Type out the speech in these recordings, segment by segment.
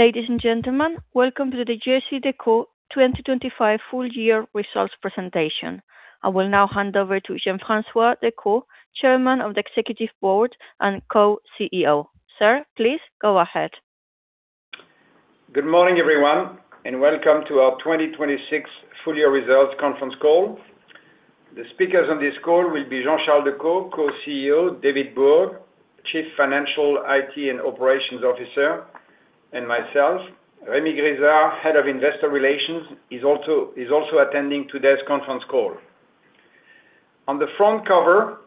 Ladies and gentlemen, welcome to the JCDecaux 2025 full year results presentation. I will now hand over to Jean-François Decaux, Chairman of the Executive Board and Co-CEO. Sir, please go ahead. Good morning, everyone, and welcome to our 2026 full year results conference call. The speakers on this call will be Jean-Charles Decaux, Co-CEO, David Bourg, Chief Financial, IT and Operations Officer, and myself. Rémi Grisard, Head of Investor Relations, is also attending today's conference call. On the front cover,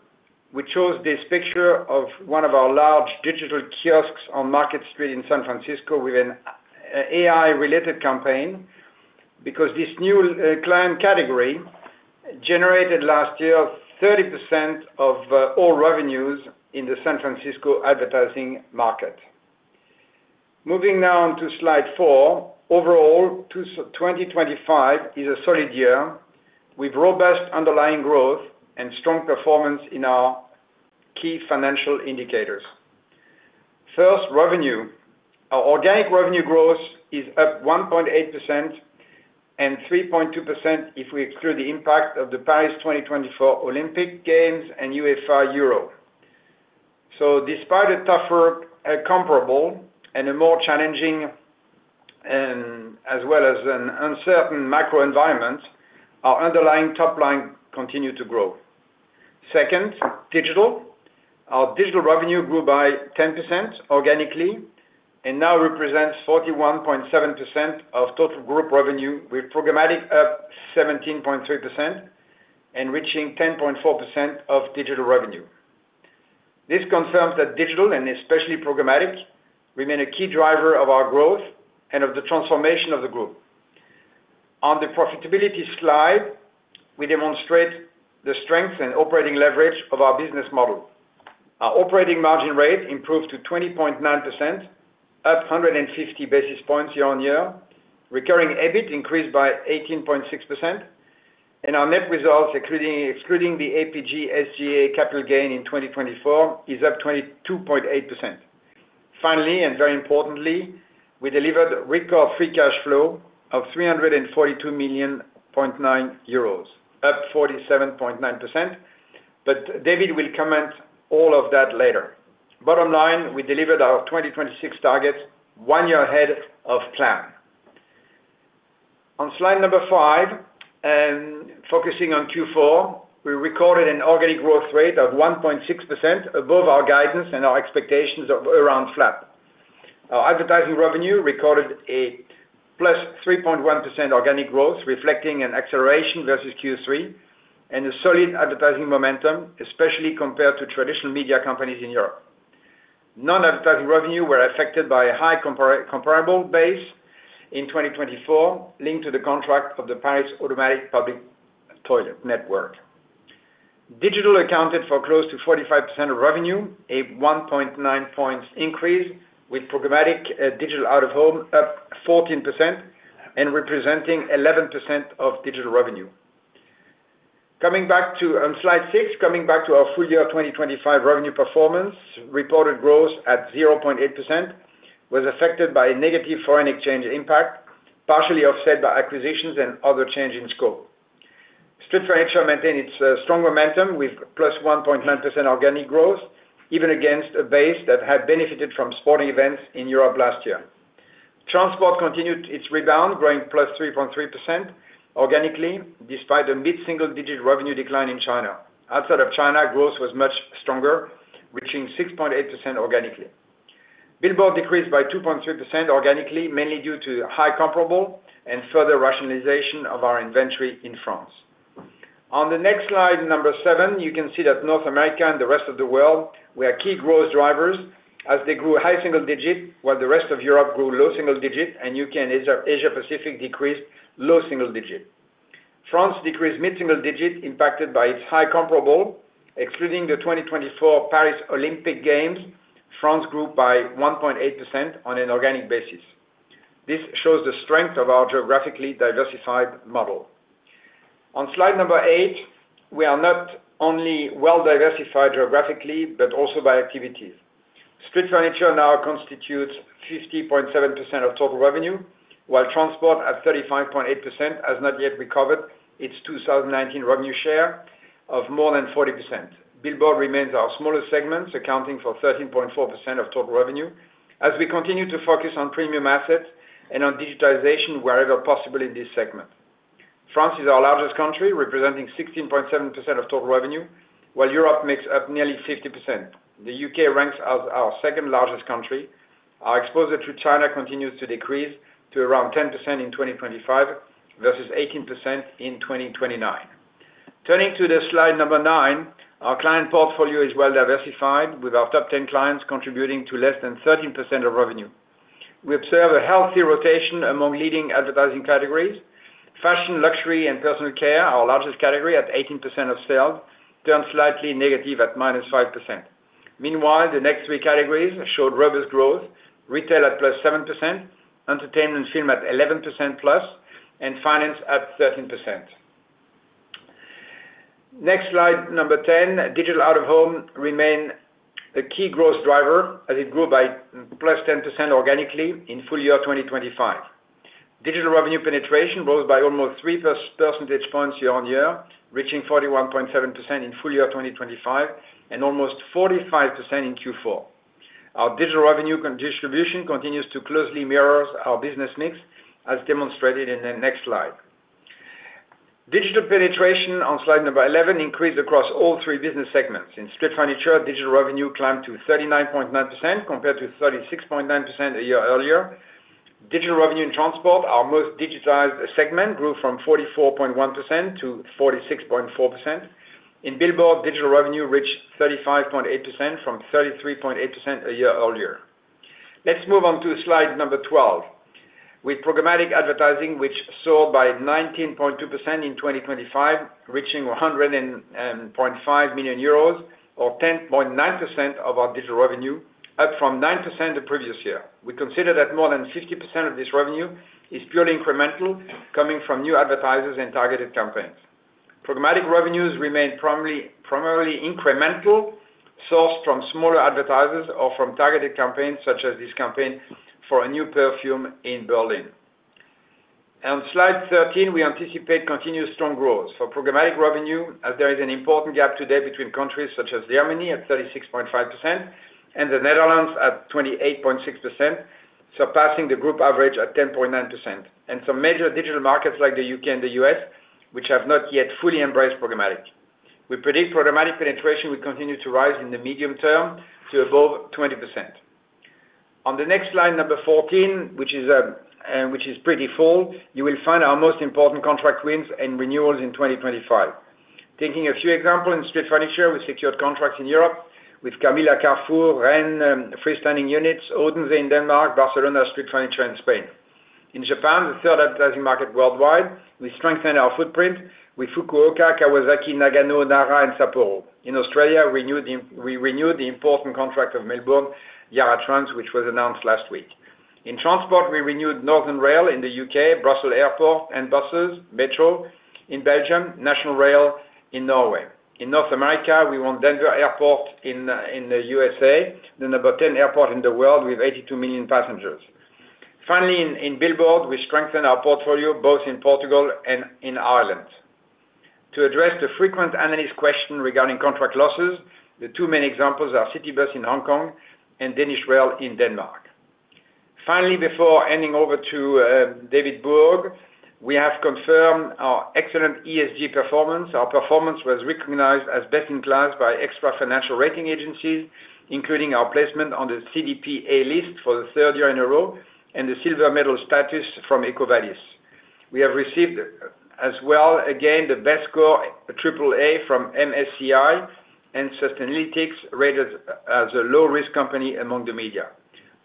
we chose this picture of one of our large digital kiosks on Market Street in San Francisco with a AI-related campaign because this new client category generated last year 30% of all revenues in the San Francisco advertising market. Moving now onto slide four. Overall, 2025 is a solid year with robust underlying growth and strong performance in our key financial indicators. First, revenue. Our organic revenue growth is up 1.8% and 3.2% if we exclude the impact of the Paris 2024 Olympic Games and UEFA Euro. Despite a tougher, comparable and a more challenging and as well as an uncertain macro environment, our underlying top line continued to grow. Second, digital. Our digital revenue grew by 10% organically and now represents 41.7% of total group revenue, with programmatic up 17.3% and reaching 10.4% of digital revenue. This confirms that digital, and especially programmatic, remain a key driver of our growth and of the transformation of the group. On the profitability slide, we demonstrate the strength and operating leverage of our business model. Our operating margin rate improved to 20.9%, up 150 basis points year-on-year. Recurring EBIT increased by 18.6%, and our net results, excluding the APG|SGA capital gain in 2024, is up 22.8%. Finally, and very importantly, we delivered record free cash flow of 342.9 million, up 47.9%. David will comment all of that later. Bottom line, we delivered our 2026 targets one year ahead of plan. On slide five, focusing on Q4, we recorded an organic growth rate of 1.6% above our guidance and our expectations of around flat. Our advertising revenue recorded a +3.1% organic growth, reflecting an acceleration versus Q3 and a solid advertising momentum, especially compared to traditional media companies in Europe. Non-advertising revenue were affected by a high comparable base in 2024, linked to the contract of the Paris Automatic Public Toilet Network. Digital accounted for close to 45% of revenue, a 1.9 points increase, with programmatic digital out of home up 14% and representing 11% of digital revenue. Coming back to slide six. Coming back to our full year 2025 revenue performance, reported growth at 0.8% was affected by negative foreign exchange impact, partially offset by acquisitions and other change in scope. Street furniture maintained its strong momentum with +1.9% organic growth, even against a base that had benefited from sporting events in Europe last year. Transport continued its rebound, growing +3.3% organically despite a mid-single-digit revenue decline in China. Outside of China, growth was much stronger, reaching 6.8% organically. Billboards decreased by 2.3% organically, mainly due to high comparable and further rationalization of our inventory in France. On the next slide, number seven, you can see that North America and the rest of the world were our key growth drivers as they grew high single-digit, while the rest of Europe grew low single-digit and U.K. And Asia Pacific decreased low single-digit. France decreased mid-single-digit impacted by its high comparable. Excluding the 2024 Paris Olympic Games, France grew by 1.8% on an organic basis. This shows the strength of our geographically diversified model. On slide number eight, we are not only well-diversified geographically, but also by activities. Street furniture now constitutes 50.7% of total revenue, while transport at 35.8% has not yet recovered its 2019 revenue share of more than 40%. Billboard remains our smallest segment, accounting for 13.4% of total revenue as we continue to focus on premium assets and on digitization wherever possible in this segment. France is our largest country, representing 16.7% of total revenue, while Europe makes up nearly 50%. The U.K. ranks as our second largest country. Our exposure to China continues to decrease to around 10% in 2025 versus 18% in 2029. Turning to slide nine, our client portfolio is well diversified, with our top ten clients contributing to less than 13% of revenue. We observe a healthy rotation among leading advertising categories. Fashion, luxury, and personal care, our largest category at 18% of sales, turned slightly negative at -5%. Meanwhile, the next three categories showed robust growth, retail at +7%, entertainment and film at +11%, and finance at 13%. Next slide 10, digital out-of-home remains a key growth driver as it grew by +10% organically in full year 2025. Digital revenue penetration rose by almost 3% points year on year, reaching 41.7% in full year 2025, and almost 45% in Q4. Our digital revenue distribution continues to closely mirrors our business mix, as demonstrated in the next slide. Digital penetration on slide 11 increased across all three business segments. In street furniture, digital revenue climbed to 39.9% compared to 36.9% a year earlier. Digital revenue in transport, our most digitized segment, grew from 44.1% - 46.4%. In billboard, digital revenue reached 35.8% from 33.8% a year earlier. Let's move on to slide number 12. With programmatic advertising, which soared by 19.2% in 2025, reaching 100.5 million euros or 10.9% of our digital revenue, up from 9% the previous year. We consider that more than 50% of this revenue is purely incremental, coming from new advertisers and targeted campaigns. Programmatic revenues remain primarily incremental, sourced from smaller advertisers or from targeted campaigns, such as this campaign for a new perfume in Berlin. On slide 13, we anticipate continued strong growth for programmatic revenue, as there is an important gap today between countries such as Germany at 36.5% and the Netherlands at 28.6%, surpassing the group average at 10.9%. Some major digital markets like the U.K. And the U.S., which have not yet fully embraced programmatic. We predict programmatic penetration will continue to rise in the medium term to above 20%. On the next slide, number 14, which is pretty full, you will find our most important contract wins and renewals in 2025. Taking a few examples, in street furniture, we secured contracts in Europe with Carrefour, Rennes, freestanding units, Odense in Denmark, Barcelona Street Furniture in Spain. In Japan, the third advertising market worldwide, we strengthen our footprint with Fukuoka, Kawasaki, Nagano, Nara, and Sapporo. In Australia, we renewed the important contract of Melbourne, Yarra Trams, which was announced last week. In transport, we renewed Northern Rail in the U.K., Brussels Airport and buses, Metro in Belgium, National Rail in Norway. In North America, we won Denver Airport in the U.S.A., the number 10 airport in the world with 82 million passengers. Finally, in billboard, we strengthen our portfolio both in Portugal and in Ireland. To address the frequent analyst question regarding contract losses, the two main examples are CityBus in Hong Kong and Danish Rail in Denmark. Finally, before handing over to David Bourg, we have confirmed our excellent ESG performance. Our performance was recognized as best in class by extra financial rating agencies, including our placement on the CDP A List for the third year in a row and the silver medal status from EcoVadis. We have received, as well, again, the best score, AAA, from MSCI, and Sustainalytics rated as a low risk company among the media.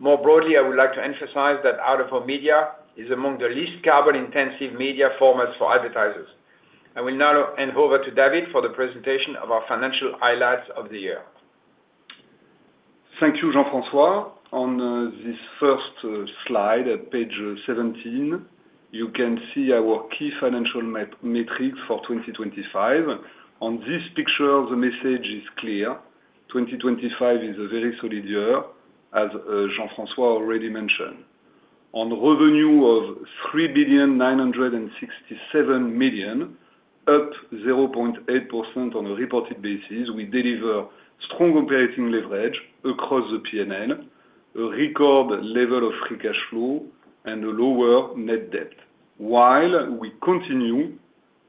More broadly, I would like to emphasize that out-of-home media is among the least carbon intensive media formats for advertisers. I will now hand over to David for the presentation of our financial highlights of the year. Thank you, Jean-François. On this first slide at page 17, you can see our key financial metrics for 2025. On this picture, the message is clear. 2025 is a very solid year, as Jean-François already mentioned. On revenue of 3,967 million, up 0.8% on a reported basis, we deliver strong operating leverage across the P&L, a record level of free cash flow and a lower net debt, while we continue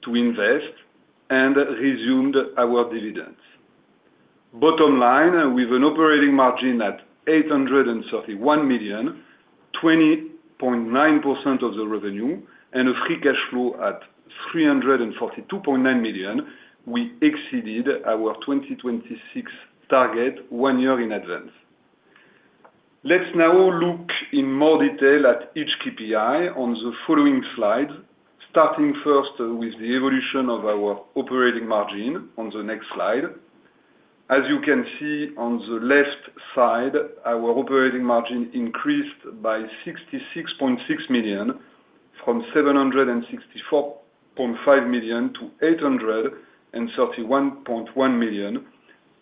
to invest and resumed our dividends. Bottom line, with an operating margin at 831 million, 20.9% of the revenue, and a free cash flow at 342.9 million, we exceeded our 2026 target one year in advance. Let's now look in more detail at each KPI on the following slides, starting first with the evolution of our operating margin on the next slide. As you can see on the left side, our operating margin increased by 66.6 million, from 764.5 million to 831.1 million,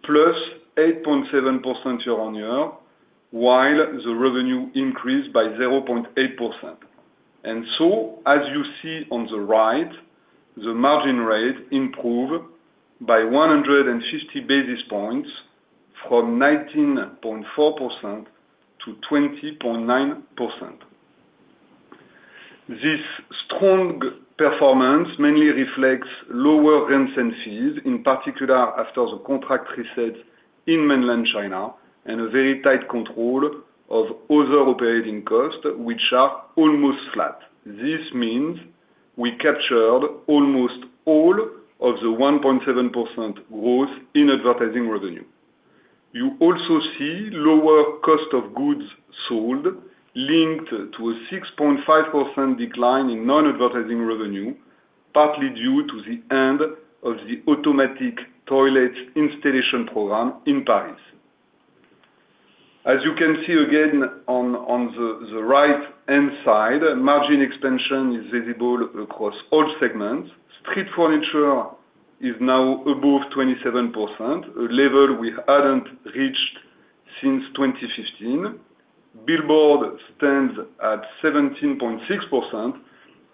+8.7% year-on-year, while the revenue increased by 0.8%. As you see on the right, the margin rate improved by 160 basis points from 19.4% - 20.9%. This strong performance mainly reflects lower rent expenses, in particular after the contract reset in Mainland China and a very tight control of other operating costs which are almost flat. This means we captured almost all of the 1.7% growth in advertising revenue. You also see lower cost of goods sold linked to a 6.5% decline in non-advertising revenue, partly due to the end of the automatic toilet installation program in Paris. As you can see again on the right-hand side, margin expansion is visible across all segments. Street furniture is now above 27%, a level we hadn't reached since 2015. Billboard stands at 17.6%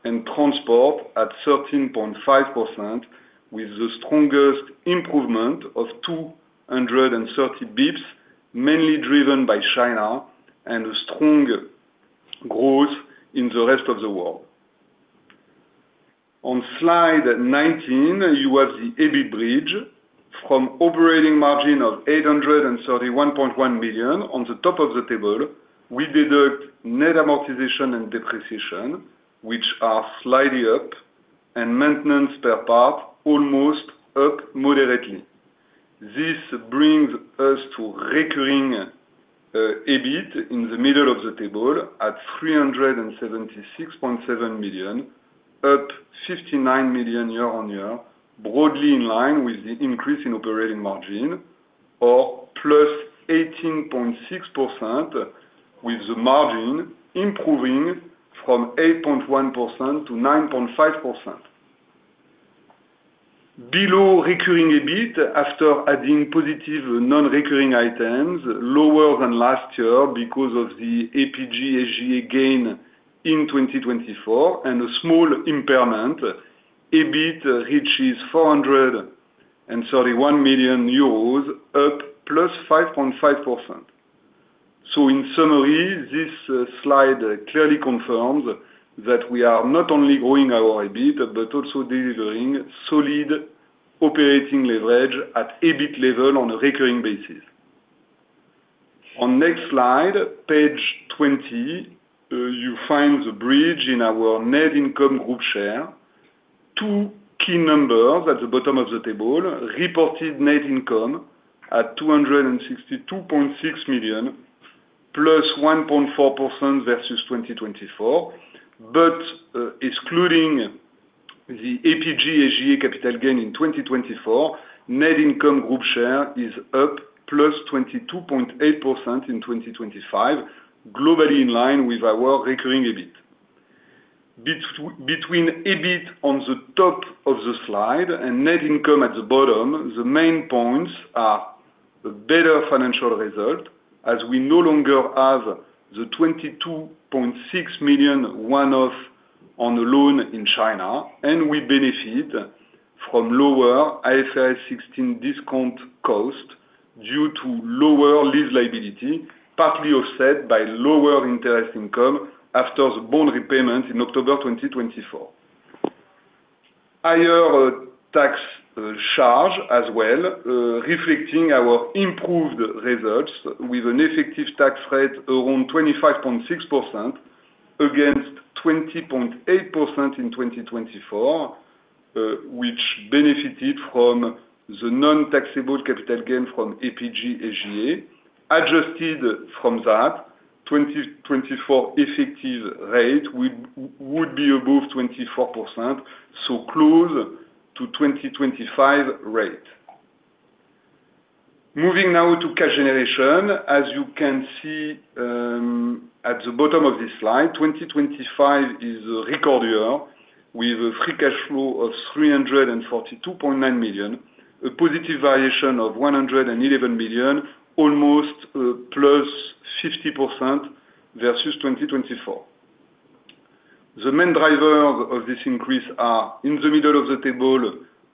and transport at 13.5%, with the strongest improvement of 230 basis points, mainly driven by China and a strong growth in the rest of the world. On slide 19, you have the EBIT bridge from operating margin of 831.1 million on the top of the table. We deduct net amortization and depreciation, which are slightly up, and maintenance CapEx also up moderately. This brings us to recurring EBIT in the middle of the table at 376.7 million, up 59 million year-on-year, broadly in line with the increase in operating margin or +18.6% with the margin improving from 8.1% - 9.5%. Below recurring EBIT after adding positive non-recurring items lower than last year because of the APG|SGA gain in 2024 and a small impairment, EBIT reaches 431 million euros, up +5.5%. In summary, this slide clearly confirms that we are not only growing our EBIT but also delivering solid operating leverage at EBIT level on a recurring basis. On next slide, page 20, you find the bridge in our net income Group share. Two key numbers at the bottom of the table. Reported net income at 262.6 million, +1.4% versus 2024. Excluding the APG|SGA capital gain in 2024, net income Group share is up +22.8% in 2025, globally in line with our recurring EBIT. Between EBIT on the top of the slide and net income at the bottom, the main points are a better financial result as we no longer have the 22.6 million one-off on a loan in China, and we benefit from lower IFRS 16 discount cost due to lower lease liability, partly offset by lower interest income after the bond repayment in October 2024. Higher tax charge as well, reflecting our improved results with an effective tax rate around 25.6% against 20.8% in 2024, which benefited from the non-taxable capital gain from APG|SGA. Adjusted for that, 2024 effective rate would be above 24%, so close to 2025 rate. Moving now to cash generation. As you can see, at the bottom of this slide, 2025 is a record year with a free cash flow of 342.9 million, a positive variation of 111 million, almost +60% versus 2024. The main driver of this increase are in the middle of the table,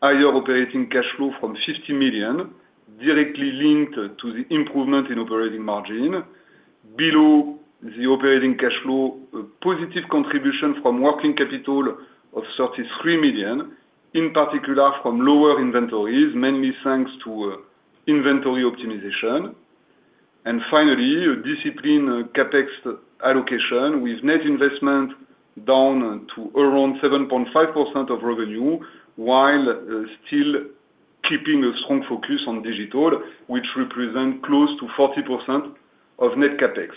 higher operating cash flow from 50 million, directly linked to the improvement in operating margin. Below the operating cash flow, a positive contribution from working capital of 33 million, in particular from lower inventories, mainly thanks to inventory optimization. Finally, a disciplined CapEx allocation with net investment down to around 7.5% of revenue, while still keeping a strong focus on digital, which represent close to 40% of net CapEx.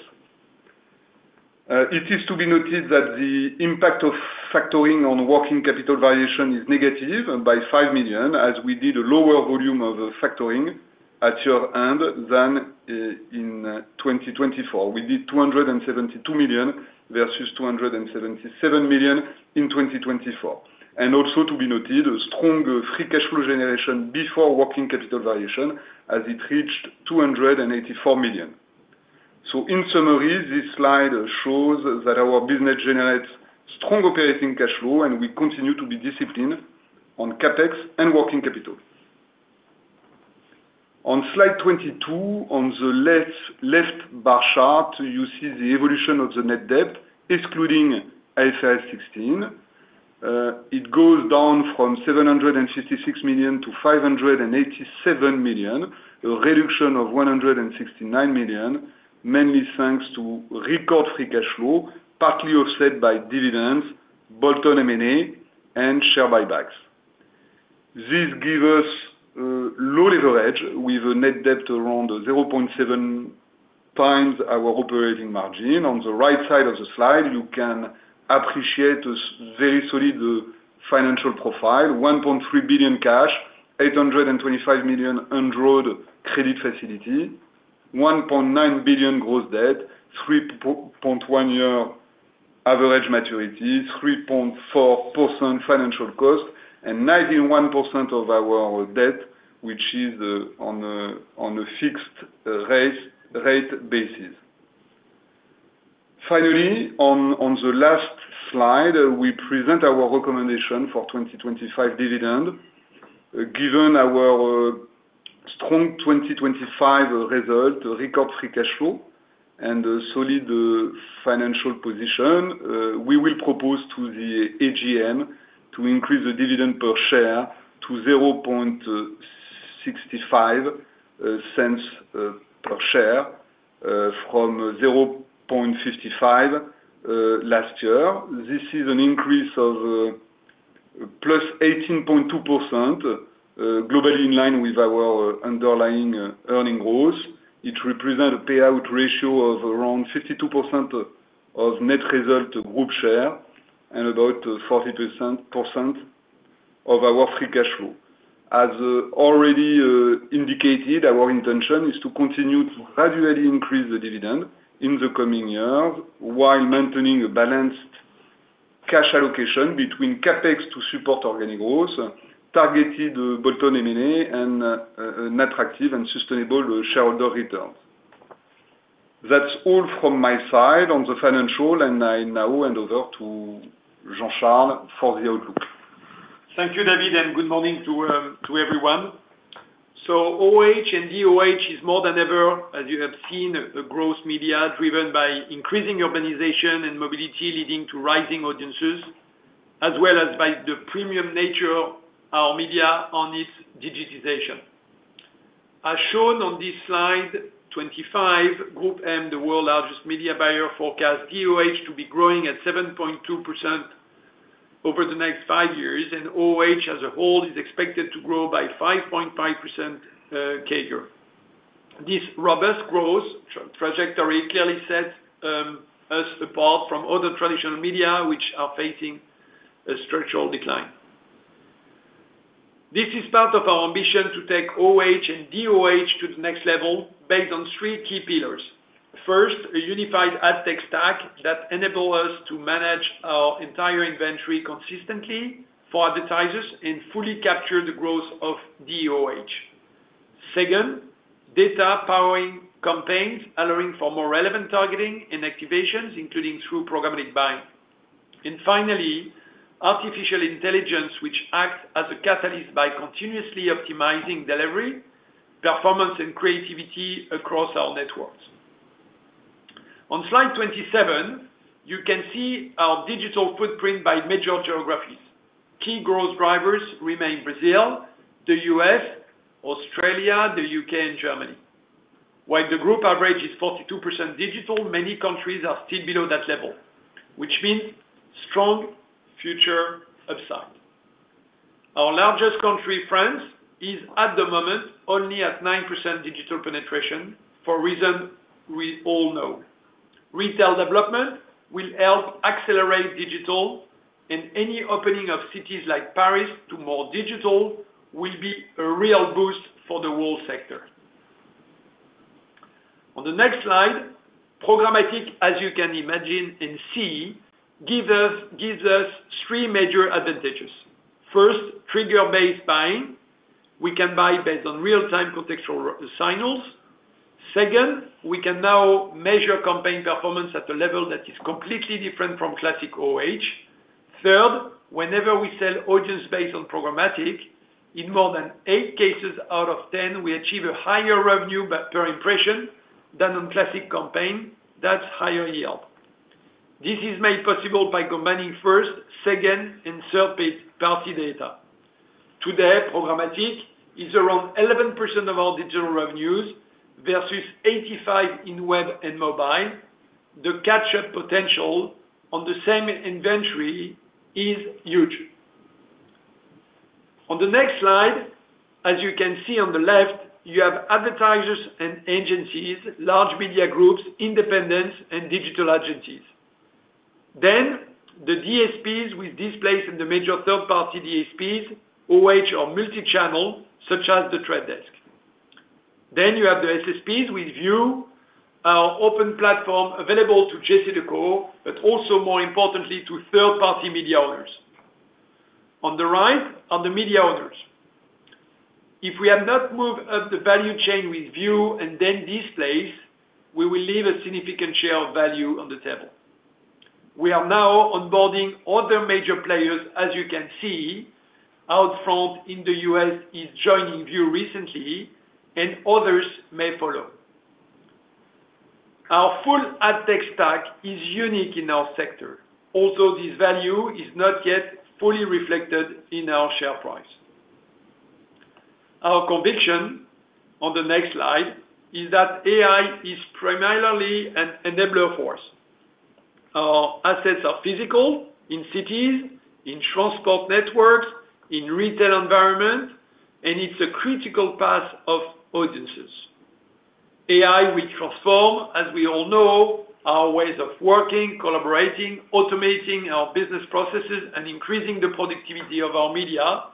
It is to be noted that the impact of factoring on working capital variation is negative by 5 million, as we did a lower volume of factoring at year-end than in 2024. We did 272 million versus 277 million in 2024. Also to be noted, a strong free cash flow generation before working capital variation as it reached 284 million. In summary, this slide shows that our business generates strong operating cash flow, and we continue to be disciplined on CapEx and working capital. On slide 22, on the left bar chart, you see the evolution of the net debt, excluding IFRS 16. It goes down from 766 million to 587 million, a reduction of 169 million, mainly thanks to record free cash flow, partly offset by dividends, bolt-on M&A, and share buybacks. This give us low leverage with a net debt around 0.7x our operating margin. On the right side of the slide, you can appreciate a very solid financial profile, 1.3 billion cash. 825 million undrawn credit facility, 1.9 billion gross debt, 3.1-year average maturity, 3.4% financial cost, and 91% of our debt, which is on a fixed rate basis. Finally, on the last slide, we present our recommendation for 2025 dividend. Given our strong 2025 result, record free cash flow, and a solid financial position, we will propose to the AGM to increase the dividend per share to 0.65 cents per share from 0.55 last year. This is an increase of +18.2%, globally in line with our underlying earning goals. It represent a payout ratio of around 52% of net result group share and about 40% of our free cash flow. As already indicated, our intention is to continue to gradually increase the dividend in the coming year while maintaining a balanced cash allocation between CapEx to support organic growth, targeted bolt-on M&A, and an attractive and sustainable shareholder return. That's all from my side on the financial, and I now hand over to Jean-Charles for the outlook. Thank you, David, and good morning to everyone. OOH and DOOH is more than ever, as you have seen, a growth media driven by increasing urbanization and mobility leading to rising audiences, as well as by the premium nature of our media on its digitization. As shown on this slide 25, GroupM, the world's largest media buyer, forecast DOOH to be growing at 7.2% over the next five years, and OOH as a whole is expected to grow by 5.5% CAGR. This robust growth trajectory clearly sets us apart from other traditional media which are facing a structural decline. This is part of our ambition to take OOH and DOOH to the next level based on three key pillars. First, a unified ad tech stack that enable us to manage our entire inventory consistently for advertisers and fully capture the growth of DOOH. Second, data powering campaigns allowing for more relevant targeting and activations, including through programmatic buying. Finally, artificial intelligence, which acts as a catalyst by continuously optimizing delivery, performance, and creativity across our networks. On slide 27, you can see our digital footprint by major geographies. Key growth drivers remain Brazil, the U.S., Australia, the U.K., and Germany. While the group average is 42% digital, many countries are still below that level, which means strong future upside. Our largest country, France, is at the moment only at 9% digital penetration for reason we all know. Retail development will help accelerate digital, and any opening of cities like Paris to more digital will be a real boost for the whole sector. On the next slide, programmatic, as you can imagine and see, gives us three major advantages. First, trigger-based buying. We can buy based on real-time contextual signals. Second, we can now measure campaign performance at a level that is completely different from classic OOH. Third, whenever we sell audience based on programmatic, in more than eight cases out of 10, we achieve a higher revenue per impression than on classic campaign. That's higher yield. This is made possible by combining first-, second-, and third-party data. Today, programmatic is around 11% of our digital revenues versus 85% in web and mobile. The catch-up potential on the same inventory is huge. On the next slide, as you can see on the left, you have advertisers and agencies, large media groups, independents, and digital agencies. The DSPs with Displayce in the major third-party DSPs, OOH or multichannel, such as The Trade Desk. You have the SSPs with VIOOH, our open platform available to JCDecaux, but also more importantly to third-party media owners. On the right are the media owners. If we have not moved up the value chain with VIOOH and then Displayce, we will leave a significant share of value on the table. We are now onboarding other major players, as you can see, Outfront Media in the U.S. is joining VIOOH recently, and others may follow. Our full ad tech stack is unique in our sector, although this value is not yet fully reflected in our share price. Our conviction on the next slide is that AI is primarily an enabler force. Our assets are physical in cities, in transport networks, in retail environment, and it's a critical path of audiences. AI will transform, as we all know, our ways of working, collaborating, automating our business processes, and increasing the productivity of our media.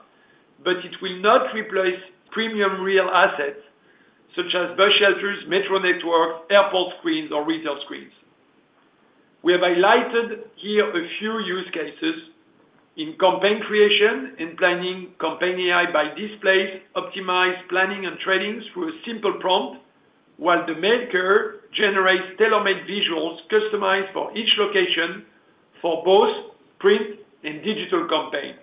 It will not replace premium real assets such as bus shelters, metro networks, airport screens or retail screens. We have highlighted here a few use cases in campaign creation and planning, Campaign AI by Displayce, optimized planning and trading through a simple prompt, while The Maker generates tailor-made visuals customized for each location for both print and digital campaign.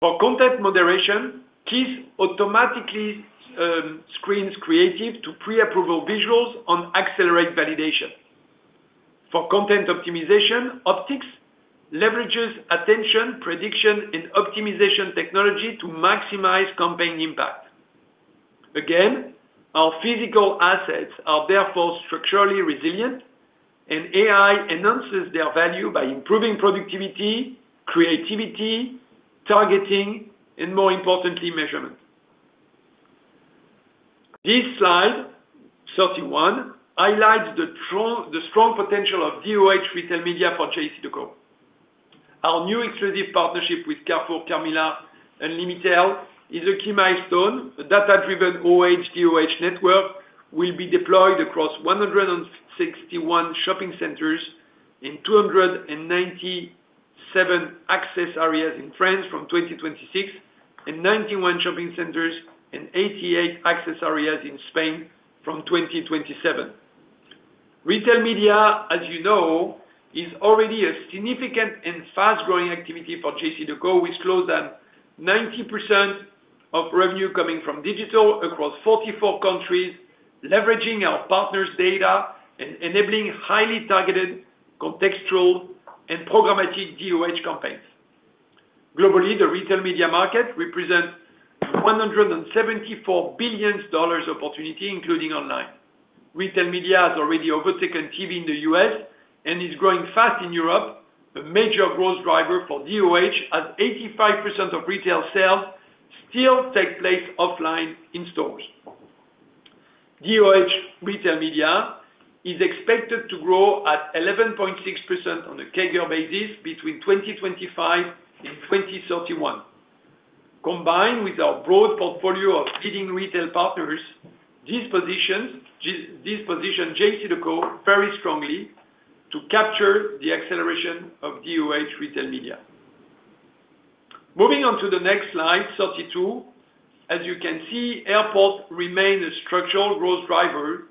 For content moderation, Keys automatically screens creatives to pre-approve visuals to accelerate validation. For content optimization, Opticks leverages attention, prediction, and optimization technology to maximize campaign impact. Again, our physical assets are therefore structurally resilient, and AI enhances their value by improving productivity, creativity, targeting, and more importantly, measurement. This slide, 31, highlights the strong potential of DOOH retail media for JCDecaux. Our new exclusive partnership with Carrefour, Carmila, and Unlimitail is a key milestone. A data-driven OOH DOOH network will be deployed across 161 shopping centers in 297 access areas in France from 2026, and 91 shopping centers and 88 access areas in Spain from 2027. Retail media, as you know, is already a significant and fast-growing activity for JCDecaux, with close to 90% of revenue coming from digital across 44 countries, leveraging our partners' data and enabling highly targeted, contextual, and programmatic DOOH campaigns. Globally, the retail media market represents $174 billion opportunity, including online. Retail media has already overtaken TV in the U.S. and is growing fast in Europe, a major growth driver for DOOH, as 85% of retail sales still take place offline in stores. DOOH retail media is expected to grow at 11.6% on a CAGR basis between 2025 and 2031. Combined with our broad portfolio of leading retail partners, these positions JCDecaux very strongly to capture the acceleration of DOOH retail media. Moving on to the next slide, 32. As you can see, airports remain a structural growth driver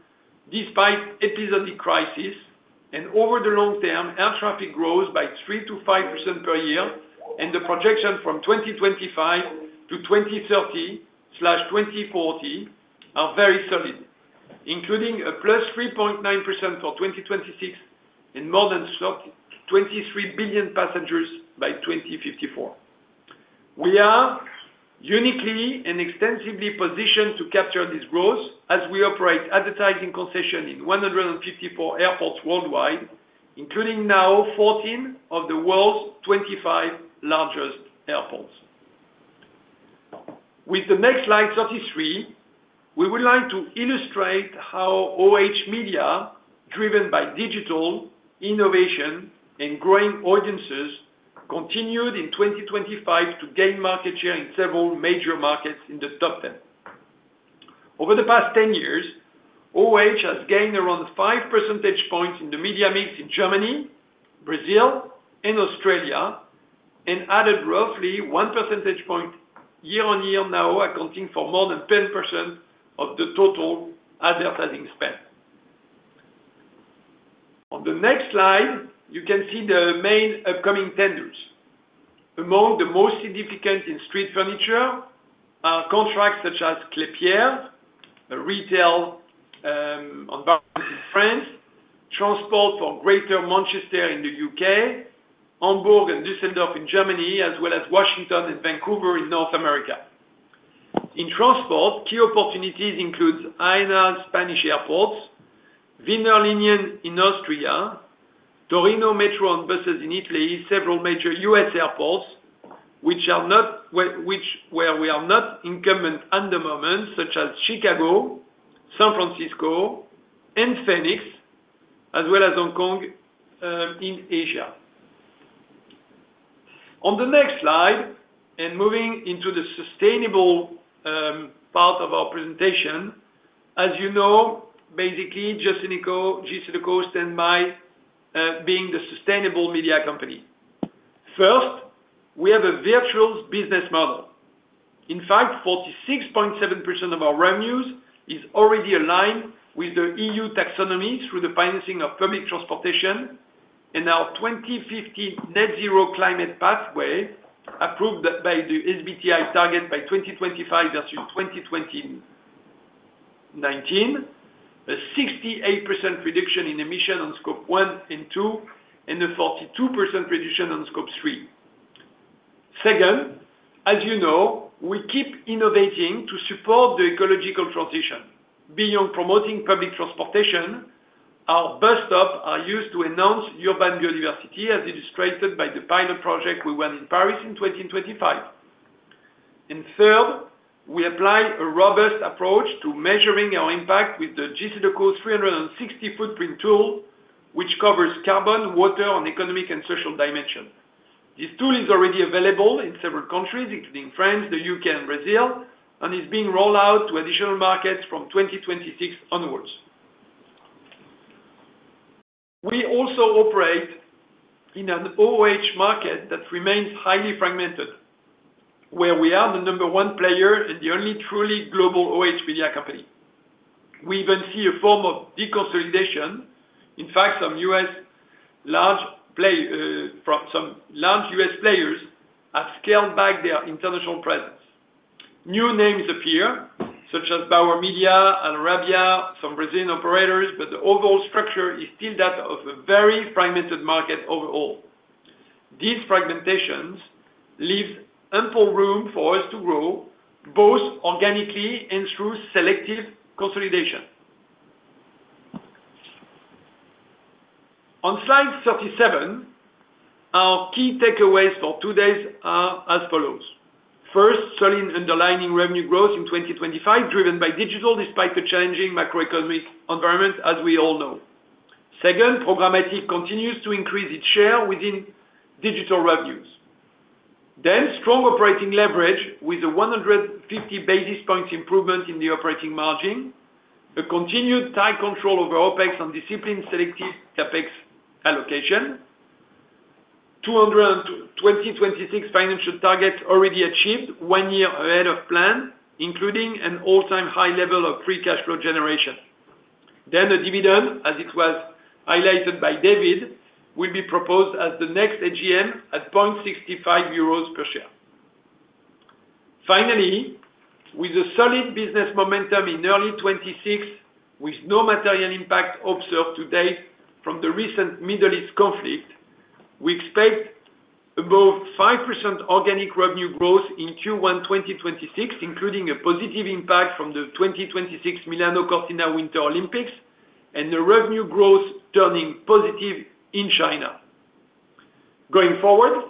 despite episodic crisis. Over the long term, air traffic grows by 3%-5% per year, and the projection from 2025 to 2030/2040 are very solid, including a +3.9% for 2026 and more than 23 billion passengers by 2054. We are uniquely and extensively positioned to capture this growth as we operate advertising concession in 154 airports worldwide, including now 14 of the world's 25 largest airports. With the next slide, 33, we would like to illustrate how OOH media, driven by digital innovation and growing audiences, continued in 2025 to gain market share in several major markets in the top 10. Over the past 10 years, OOH has gained around five percentage points in the media mix in Germany, Brazil, and Australia, and added roughly one percentage point year-on-year now accounting for more than 10% of the total advertising spend. On the next slide, you can see the main upcoming tenders. Among the most significant in street furniture are contracts such as Klépierre, a retail environment in France, Transport for Greater Manchester in the U.K., Hamburg and Düsseldorf in Germany, as well as Washington and Vancouver in North America. In transport, key opportunities include Aena Spanish airports, Wiener Linien in Austria, Torino Metro and buses in Italy, several major U.S. airports, which, where we are not incumbent at the moment, such as Chicago, San Francisco, and Phoenix, as well as Hong Kong in Asia. On the next slide, and moving into the sustainable part of our presentation, as you know, basically, JCDecaux stand by being the sustainable media company. First, we have a virtual business model. In fact, 46.7% of our revenues is already aligned with the EU taxonomy through the financing of public transportation and our 2050 net zero climate pathway approved by the SBTi target by 2025 versus 2019, a 68% reduction in emission on scope one and two, and a 42% reduction on scope three. Second, as you know, we keep innovating to support the ecological transition. Beyond promoting public transportation. Our bus stops are used to announce urban biodiversity as illustrated by the pilot project we won in Paris in 2025. Third, we apply a robust approach to measuring our impact with the JCDecaux 360 Footprint tool, which covers carbon, water and economic and social dimension. This tool is already available in several countries, including France, the U.K. and Brazil, and is being rolled out to additional markets from 2026 onwards. We also operate in an OOH market that remains highly fragmented, where we are the number one player and the only truly global OOH media company. We even see a form of deconsolidation. In fact, some large U.S. players from some large U.S. players have scaled back their international presence. New names appear, such as Bauer Media Group, Al Arabia, some Brazilian operators, but the overall structure is still that of a very fragmented market overall. These fragmentations leave ample room for us to grow, both organically and through selective consolidation. On slide 37, our key takeaways for today are as follows. First, solid underlying revenue growth in 2025 driven by digital despite the changing macroeconomic environment as we all know. Second, programmatic continues to increase its share within digital revenues. Strong operating leverage with a 150 basis points improvement in the operating margin. A continued tight control over OpEx and disciplined selective CapEx allocation. 2026 financial targets already achieved one year ahead of plan, including an all-time high level of free cash flow generation. The dividend, as it was highlighted by David, will be proposed at the next AGM at 0.65 euros per share. Finally, with a solid business momentum in early 2026, with no material impact observed to date from the recent Middle East conflict, we expect above 5% organic revenue growth in Q1 2026, including a positive impact from the 2026 Milano Cortina Winter Olympics and the revenue growth turning positive in China. Going forward,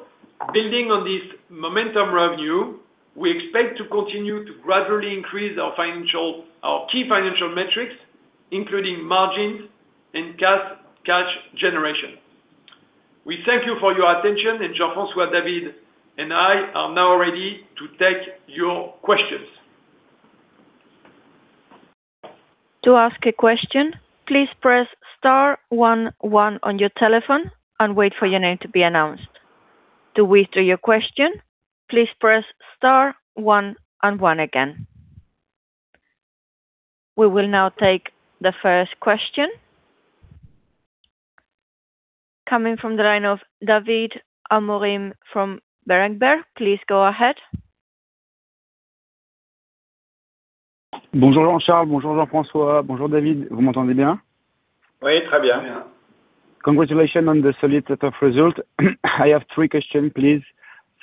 building on this momentum revenue, we expect to continue to gradually increase our key financial metrics, including margins and cash generation. We thank you for your attention and Jean-François, David and I are now ready to take your questions. To ask a question, please press star one one on your telephone and wait for your name to be announced. To withdraw your question, please press star one and one again. We will now take the first question. Coming from the line of David Amorim from Berenburg. Please go ahead. Bonjour Jean-Charles, bonjour Jean-François, bonjour David. Congratulations on the solid set of results. I have three questions, please.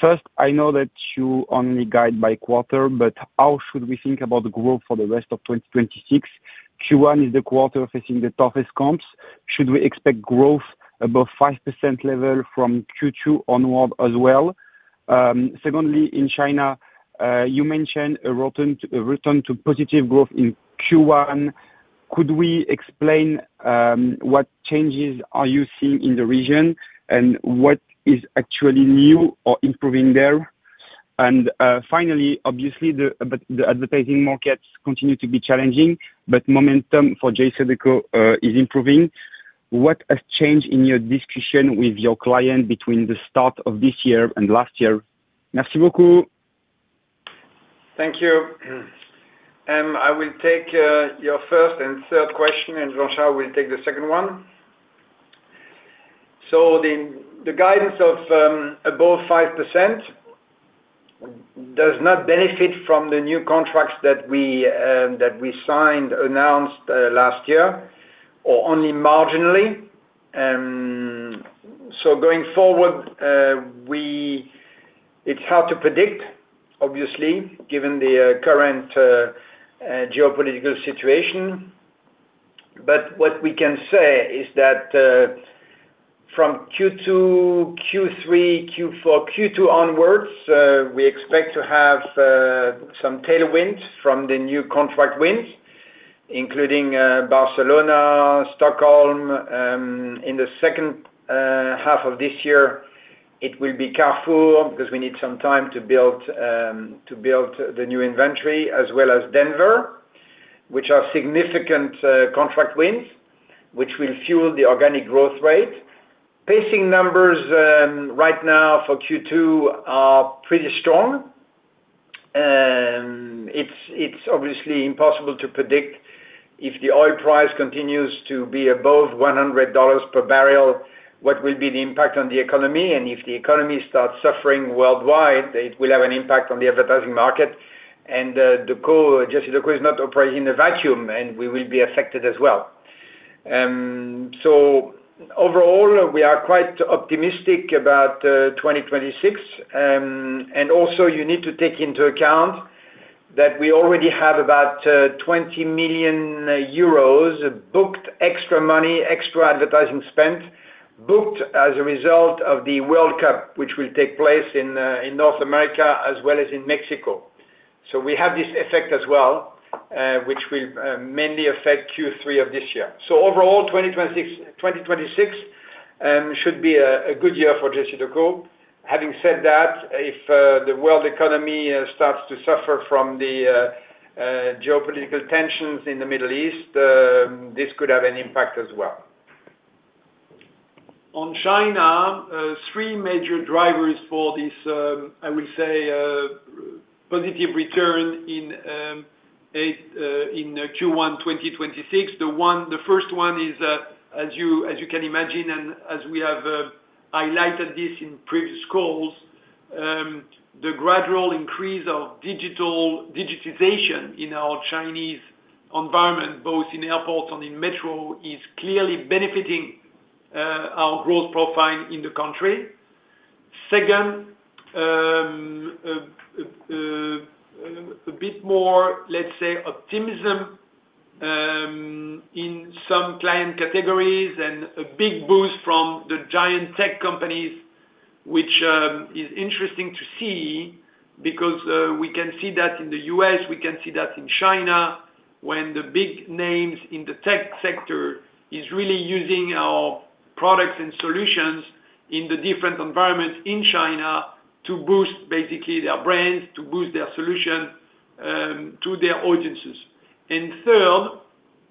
First, I know that you only guide by quarter, but how should we think about the growth for the rest of 2026? Q1 is the quarter facing the toughest comps. Should we expect growth above 5% level from Q2 onward as well? Secondly, in China, you mentioned a return to positive growth in Q1. Could you explain what changes are you seeing in the region and what is actually new or improving there? Finally, obviously, but the advertising markets continue to be challenging, but momentum for JCDecaux is improving. What has changed in your discussion with your client between the start of this year and last year? Thank you. I will take your first and third question, and Jean-Charles will take the second one. The guidance of above 5% does not benefit from the new contracts that we signed, announced last year, or only marginally. Going forward, it's hard to predict, obviously, given the current geopolitical situation. What we can say is that from Q2, Q3, Q4, Q2 onwards, we expect to have some tailwinds from the new contract wins, including Barcelona, Stockholm in the second half of this year. It will be Carrefour because we need some time to build the new inventory as well as Denver, which are significant contract wins, which will fuel the organic growth rate. Pacing numbers right now for Q2 are pretty strong. It's obviously impossible to predict if the oil price continues to be above $100 per barrel, what will be the impact on the economy. If the economy starts suffering worldwide, it will have an impact on the advertising market. JCDecaux is not operating in a vacuum, and we will be affected as well. Overall, we are quite optimistic about 2026. Also you need to take into account That we already have about 20 million euros booked extra money, extra advertising spend, booked as a result of the World Cup, which will take place in North America as well as in Mexico. We have this effect as well, which will mainly affect Q3 of this year. Overall, 2026 should be a good year for JCDecaux. Having said that, if the world economy starts to suffer from the geopolitical tensions in the Middle East, this could have an impact as well. On China, three major drivers for this, I will say, positive revenue of 8% in Q1 2026. The first one is, as you can imagine, and as we have highlighted this in previous calls, the gradual increase of digitization in our Chinese environment, both in airports and in metro, is clearly benefiting our growth profile in the country. Second, a bit more, let's say, optimism in some client categories and a big boost from the giant tech companies, which is interesting to see because we can see that in the U.S., we can see that in China, when the big names in the tech sector is really using our products and solutions in the different environments in China to boost basically their brands, to boost their solution to their audiences. Third,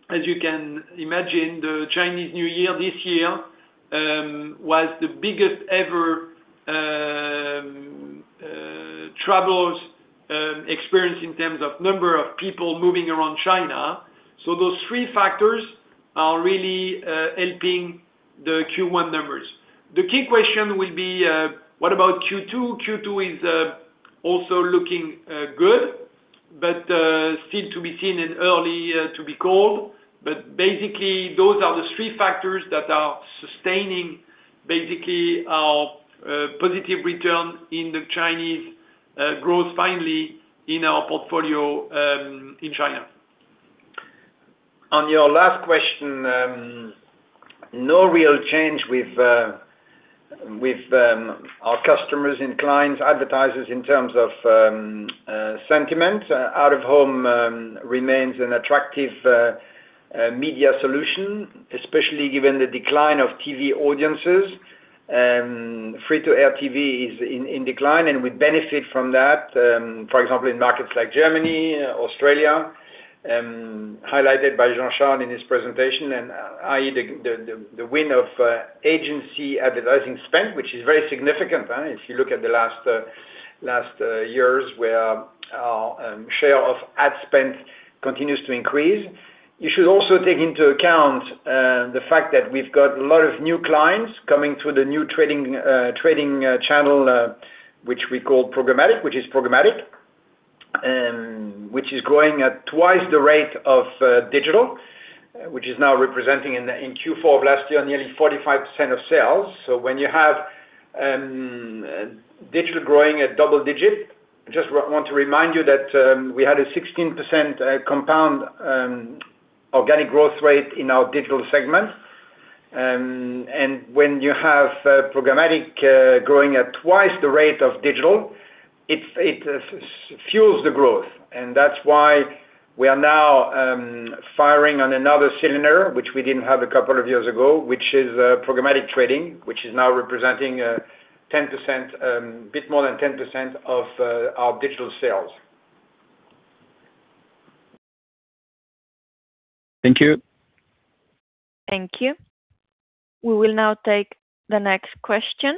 as you can imagine, the Chinese New Year this year was the biggest ever travels experience in terms of number of people moving around China. Those three factors are really helping the Q1 numbers. The key question will be what about Q2? Q2 is also looking good, but still to be seen and early to be called. Basically, those are the three factors that are sustaining basically our positive return in the Chinese growth, finally in our portfolio, in China. On your last question, no real change with our customers and clients, advertisers in terms of sentiment. Out-of-home remains an attractive media solution, especially given the decline of TV audiences. Free-to-air TV is in decline, and we benefit from that, for example, in markets like Germany, Australia, highlighted by Jean-Charles in his presentation, and the win of agency advertising spend, which is very significant, if you look at the last years, where our share of ad spend continues to increase. You should also take into account the fact that we've got a lot of new clients coming through the new trading channel, which we call programmatic, which is growing at twice the rate of digital, which is now representing in Q4 of last year nearly 45% of sales. When you have digital growing at double-digit, want to remind you that we had a 16% compound organic growth rate in our digital segment. When you have programmatic growing at twice the rate of digital, it fuels the growth. That's why we are now firing on another cylinder, which we didn't have a couple of years ago, which is programmatic trading, which is now representing 10%, bit more than 10% of our digital sales. Thank you. Thank you. We will now take the next question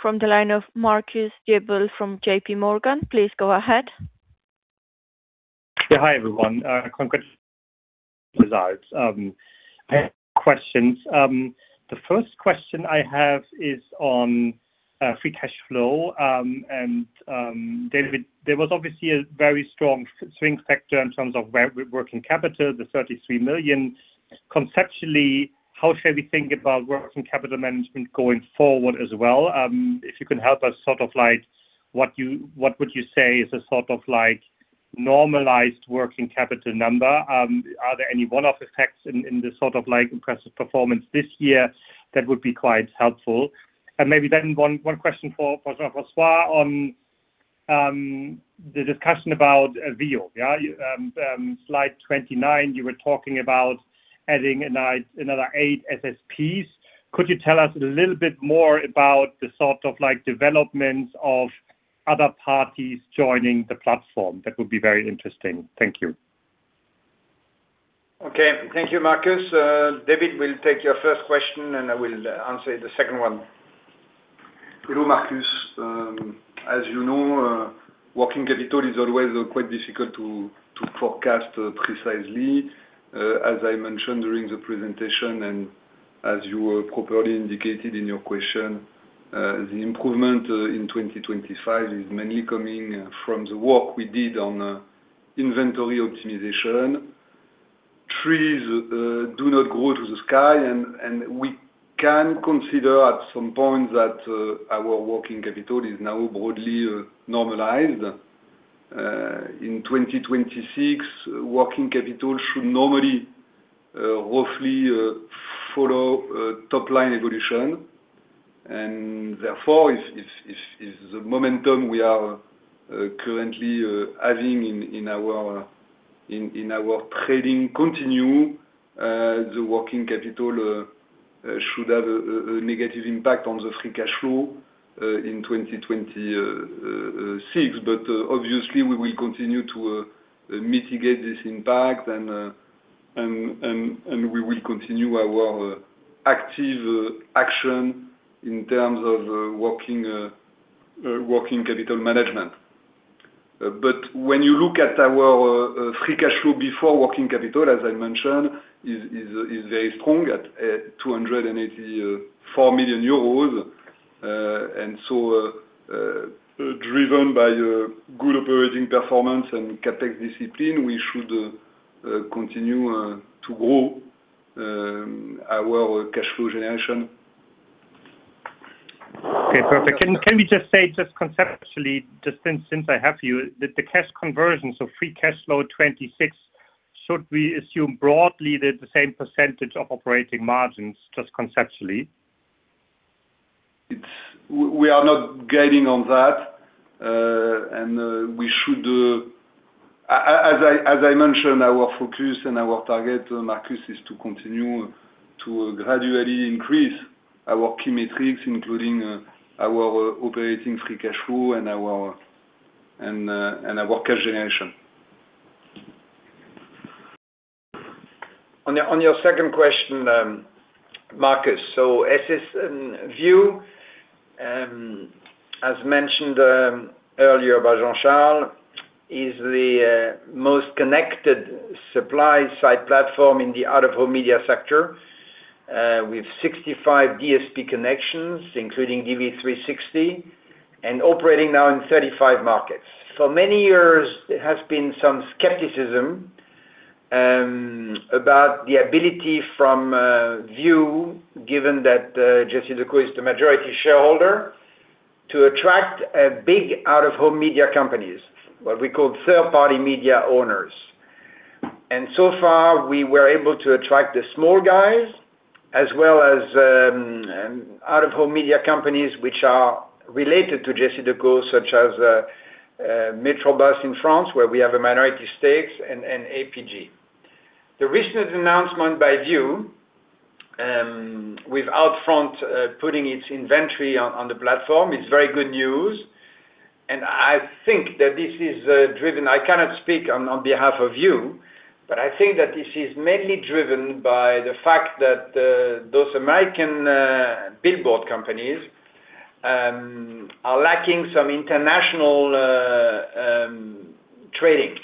from the line of Marcus Diebel from JPMorgan. Please go ahead. Yeah, hi, everyone. Congrats results. I have questions. The first question I have is on free cash flow. David, there was obviously a very strong swing factor in terms of working capital, the 33 million. Conceptually, how should we think about working capital management going forward as well? If you can help us sort of like what would you say is a sort of like normalized working capital number? Are there any one-off effects in this sort of like impressive performance this year that would be quite helpful? Maybe one question for François on the discussion about VIOOH, yeah. Slide 29, you were talking about adding another eight SSPs. Could you tell us a little bit more about the sort of like developments of other parties joining the platform? That would be very interesting. Thank you. Okay. Thank you, Marcus. David will take your first question, and I will answer the second one. Hello, Marcus. As you know, working capital is always quite difficult to forecast precisely. As I mentioned during the presentation and as you appropriately indicated in your question, the improvement in 2025 is mainly coming from the work we did on inventory optimization. Trees do not grow to the sky, and we can consider at some point that our working capital is now broadly normalized. In 2026, working capital should normally roughly follow top line evolution. Therefore, if the momentum we are currently having in our trading continues, the working capital should have a negative impact on the free cash flow in 2026. Obviously we will continue to mitigate this impact and we will continue our active action in terms of working capital management. When you look at our free cash flow before working capital, as I mentioned, is very strong at 284 million euros. Driven by good operating performance and CapEx discipline, we should continue to grow our cash flow generation. Okay, perfect. Can we just say, just conceptually, since I have you, that the cash conversions of free cash flow 26, should we assume broadly they're the same percentage of operating margins just conceptually? We are not guiding on that. As I mentioned, our focus and our target, Marcus, is to continue to gradually increase our key metrics, including our operating free cash flow and our cash generation. On your second question, Marcus. VIOOH, as mentioned earlier by Jean-Charles, is the most connected supply side platform in the out-of-home media sector with 65 DSP connections, including DV360 and operating now in 35 markets. For many years, there has been some skepticism about the ability from VIOOH, given that JCDecaux is the majority shareholder, to attract big out-of-home media companies, what we call third-party media owners. So far, we were able to attract the small guys as well as out-of-home media companies which are related to JCDecaux, such as Metrobus in France, where we have a minority stakes and APG. The recent announcement by VIOOH with Outfront putting its inventory on the platform is very good news. I think that this is driven. I cannot speak on behalf of VIOOH, but I think that this is mainly driven by the fact that those American billboard companies are lacking some international trading.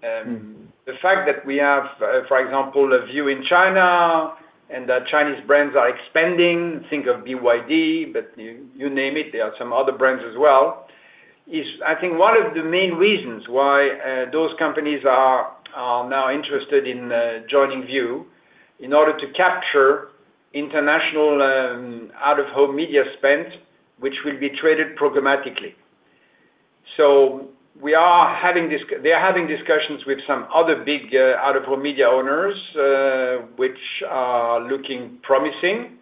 The fact that we have, for example, a VIOOH in China and that Chinese brands are expanding, think of BYD, but you name it, there are some other brands as well, is, I think, one of the main reasons why those companies are now interested in joining VIOOH in order to capture international out-of-home media spend, which will be traded programmatically. They are having discussions with some other big out-of-home media owners which are looking promising.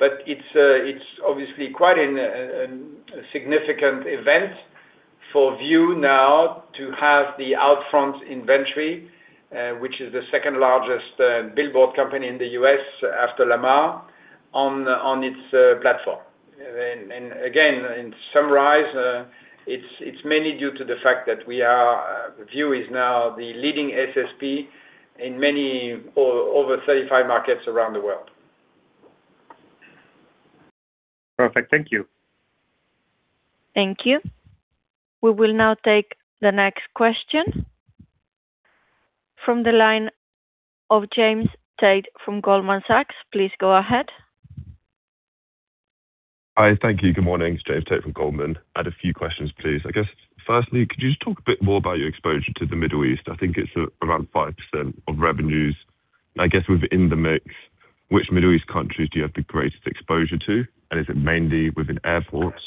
It's obviously quite a significant event for VIOOH now to have the Outfront inventory, which is the second largest billboard company in the U.S. after Lamar, on its platform. In summary, it's mainly due to the fact that VIOOH is now the leading SSP in many, over 35 markets around the world. Perfect. Thank you. Thank you. We will now take the next question from the line of James Tate from Goldman Sachs. Please go ahead. Hi. Thank you. Good morning. It's James Tate from Goldman Sachs. I had a few questions, please. I guess, firstly, could you just talk a bit more about your exposure to the Middle East? I think it's around 5% of revenues. I guess within the mix, which Middle East countries do you have the greatest exposure to? And is it mainly within airports?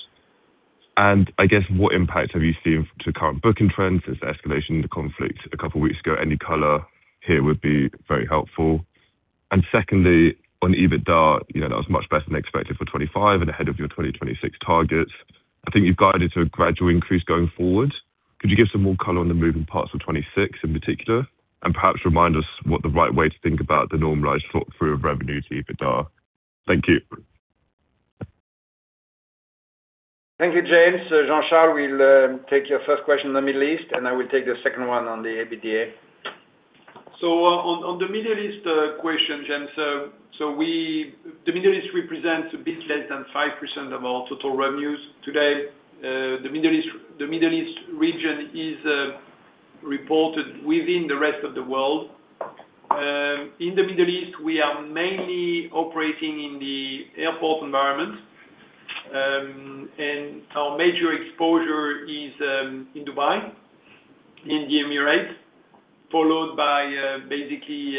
And I guess, what impact have you seen to current booking trends as the escalation in the conflict a couple weeks ago? Any color here would be very helpful. And secondly, on EBITDA, you know, that was much better than expected for 2025 and ahead of your 2026 targets. I think you've guided to a gradual increase going forward. Could you give some more color on the moving parts of 2026 in particular? Perhaps remind us what the right way to think about the normalized flow-through of revenue to EBITDA. Thank you. Thank you, James. Jean-Charles will take your first question on the Middle East, and I will take the second one on the EBITDA. On the Middle East question, James, the Middle East represents a bit less than 5% of our total revenues. Today, the Middle East region is reported within the rest of the world. In the Middle East, we are mainly operating in the airport environment. Our major exposure is in Dubai, in the Emirates, followed by basically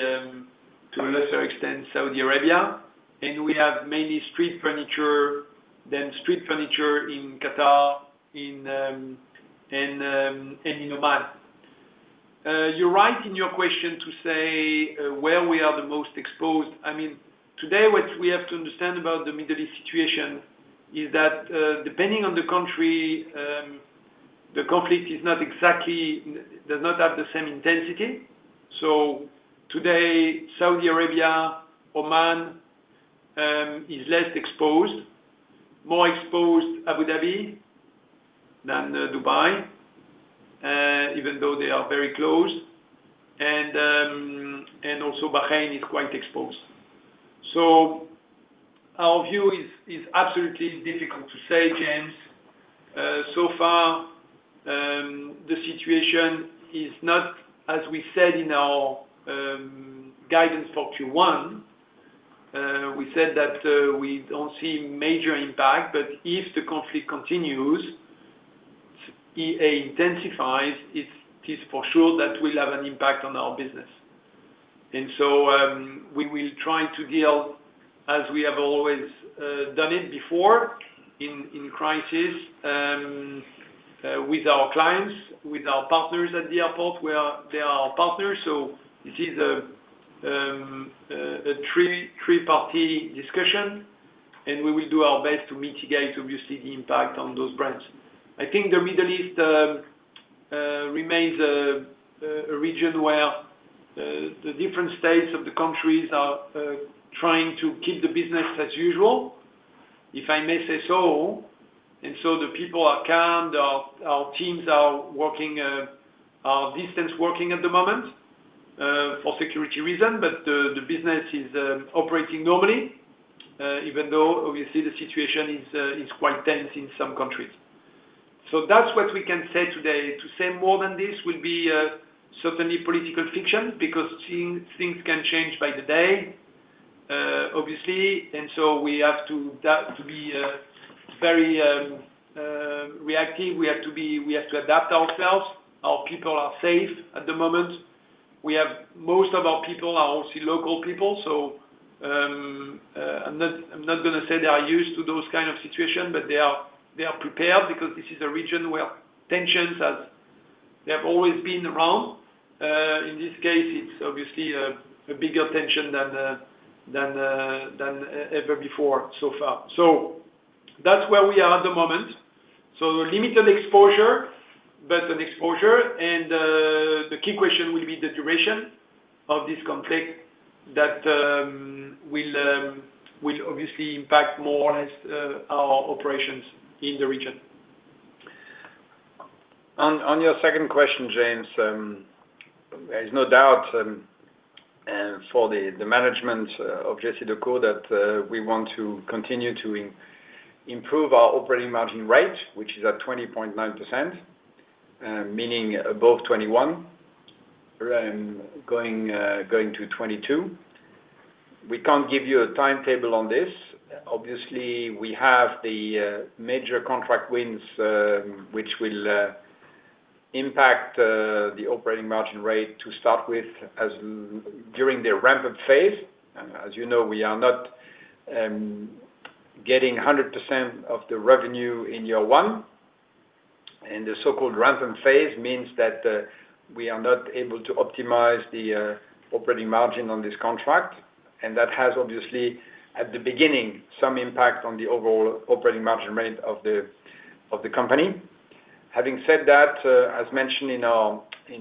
to a lesser extent, Saudi Arabia. We have mainly street furniture, then street furniture in Qatar, and in Oman. You're right in your question to say where we are the most exposed. I mean, today, what we have to understand about the Middle East situation is that depending on the country, the conflict is not exactly, does not have the same intensity. Today, Saudi Arabia, Oman is less exposed. More exposed Abu Dhabi than Dubai, even though they are very close. Also Bahrain is quite exposed. Our view is absolutely difficult to say, James. So far, the situation is not as we said in our guidance for Q1. We said that we don't see major impact, but if the conflict continues, it intensifies, it is for sure that will have an impact on our business. We will try to deal as we have always done it before in crisis with our clients, with our partners at the airport, where they are our partners. This is a three-party discussion, and we will do our best to mitigate, obviously, the impact on those branches. I think the Middle East remains a region where the different states of the countries are trying to keep the business as usual, if I may say so. The people are calm. Our teams are remote working at the moment for security reason, but the business is operating normally, even though obviously the situation is quite tense in some countries. That's what we can say today. To say more than this will be certainly political fiction because things can change by the day, obviously. We have to be very reactive. We have to adapt ourselves. Our people are safe at the moment. We have most of our people are obviously local people, so I'm not gonna say they are used to those kind of situation, but they are prepared because this is a region where tensions as they have always been around. In this case, it's obviously a bigger tension than ever before, so far. That's where we are at the moment. Limited exposure, but an exposure. The key question will be the duration of this conflict that will obviously impact more or less our operations in the region. On your second question, James, there is no doubt for the management of JCDecaux that we want to continue to improve our operating margin rate, which is at 20.9%, meaning above 21%, going to 22%. We can't give you a timetable on this. Obviously, we have the major contract wins, which will impact the operating margin rate to start with as during the ramp-up phase. As you know, we are not getting 100% of the revenue in year one. The so-called ramp-up phase means that we are not able to optimize the operating margin on this contract. That has obviously, at the beginning, some impact on the overall operating margin rate of the company. Having said that, as mentioned in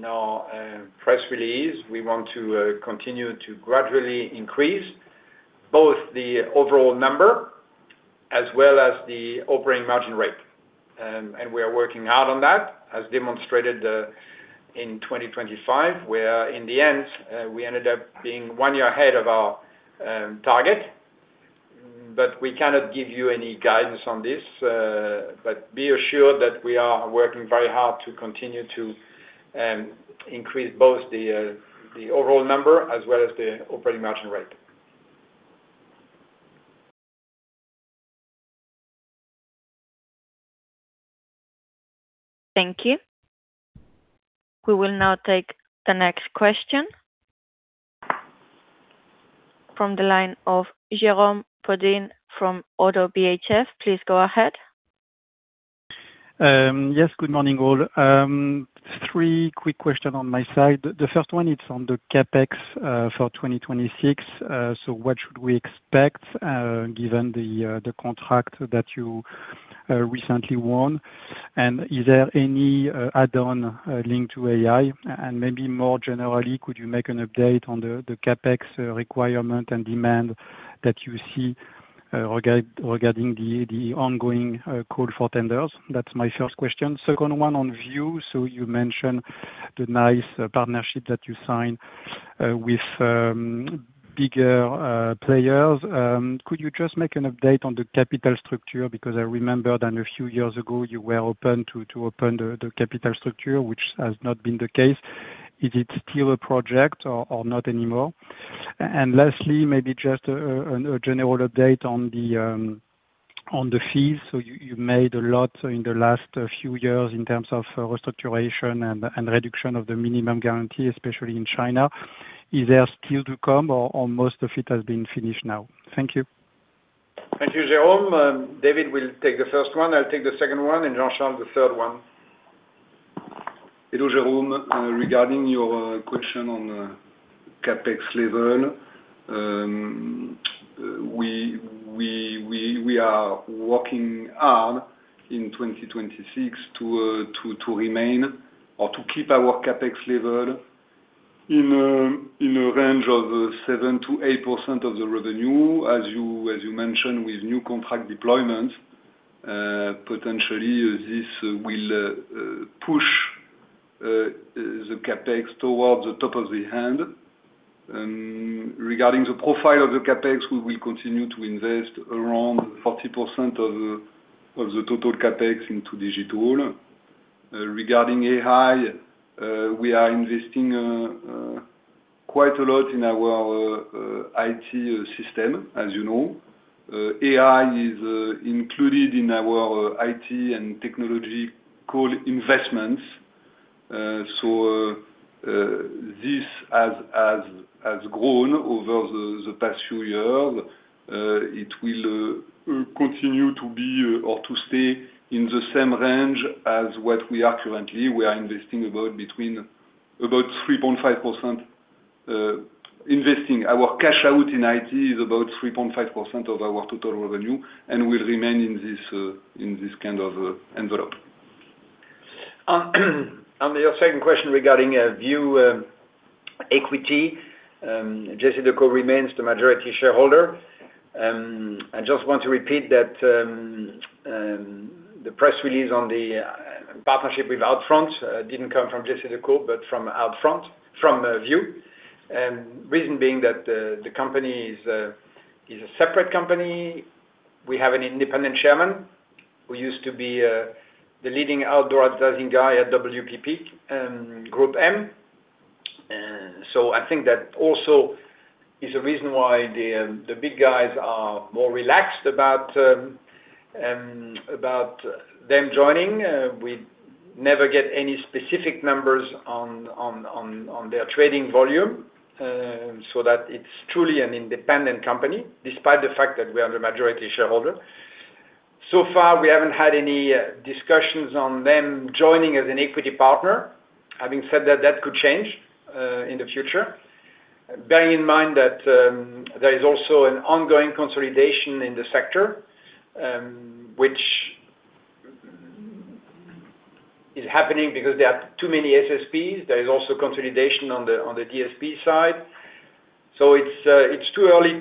our press release, we want to continue to gradually increase both the overall number as well as the operating margin rate. We are working hard on that, as demonstrated in 2025, where in the end we ended up being one year ahead of our target. We cannot give you any guidance on this. Be assured that we are working very hard to continue to increase both the overall number as well as the operating margin rate. Thank you. We will now take the next question from the line of Jérôme Bodin from Oddo BHF. Please go ahead. Yes, good morning all. Three quick questions on my side. The first one is on the CapEx for 2026. So what should we expect, given the contract that you recently won? And is there any add-on linked to AI? And maybe more generally, could you make an update on the CapEx requirement and demand that you see regarding the ongoing call for tenders? That's my first question. Second one on VIOOH. So you mentioned the nice partnership that you signed with bigger players. Could you just make an update on the capital structure? Because I remember that a few years ago you were open to open the capital structure, which has not been the case. Is it still a project or not anymore? Lastly, maybe just a general update on the fees. You made a lot in the last few years in terms of restoration and reduction of the minimum guarantee, especially in China. Is there still to come, or most of it has been finished now? Thank you. Thank you, Jérôme. David will take the first one. I'll take the second one, and Jean-Charles the third one. Hello, Jérôme. Regarding your question on CapEx level, we are working hard in 2026 to remain or to keep our CapEx level in a range of 7%-8% of the revenue. As you mentioned, with new contract deployments, potentially this will push the CapEx towards the top of the range. Regarding the profile of the CapEx, we will continue to invest around 40% of the total CapEx into digital. Regarding AI, we are investing quite a lot in our IT system, as you know. AI is included in our IT and technology core investments. So this has grown over the past few years. It will continue to be or to stay in the same range as what we are currently. We are investing about 3.5%. Our cash out in IT is about 3.5% of our total revenue and will remain in this kind of envelope. On your second question regarding VIOOH equity, JCDecaux remains the majority shareholder. I just want to repeat that, the press release on the partnership with Outfront didn't come from JCDecaux, but from Outfront, from VIOOH. Reason being that the company is a separate company. We have an independent chairman who used to be the leading outdoor advertising guy at WPP, GroupM. I think that also is a reason why the big guys are more relaxed about them joining. We never get any specific numbers on their trading volume, so that it's truly an independent company, despite the fact that we are the majority shareholder. So far, we haven't had any discussions on them joining as an equity partner. Having said that could change in the future. Bearing in mind that there is also an ongoing consolidation in the sector, which is happening because there are too many SSPs. There is also consolidation on the DSP side. It's too early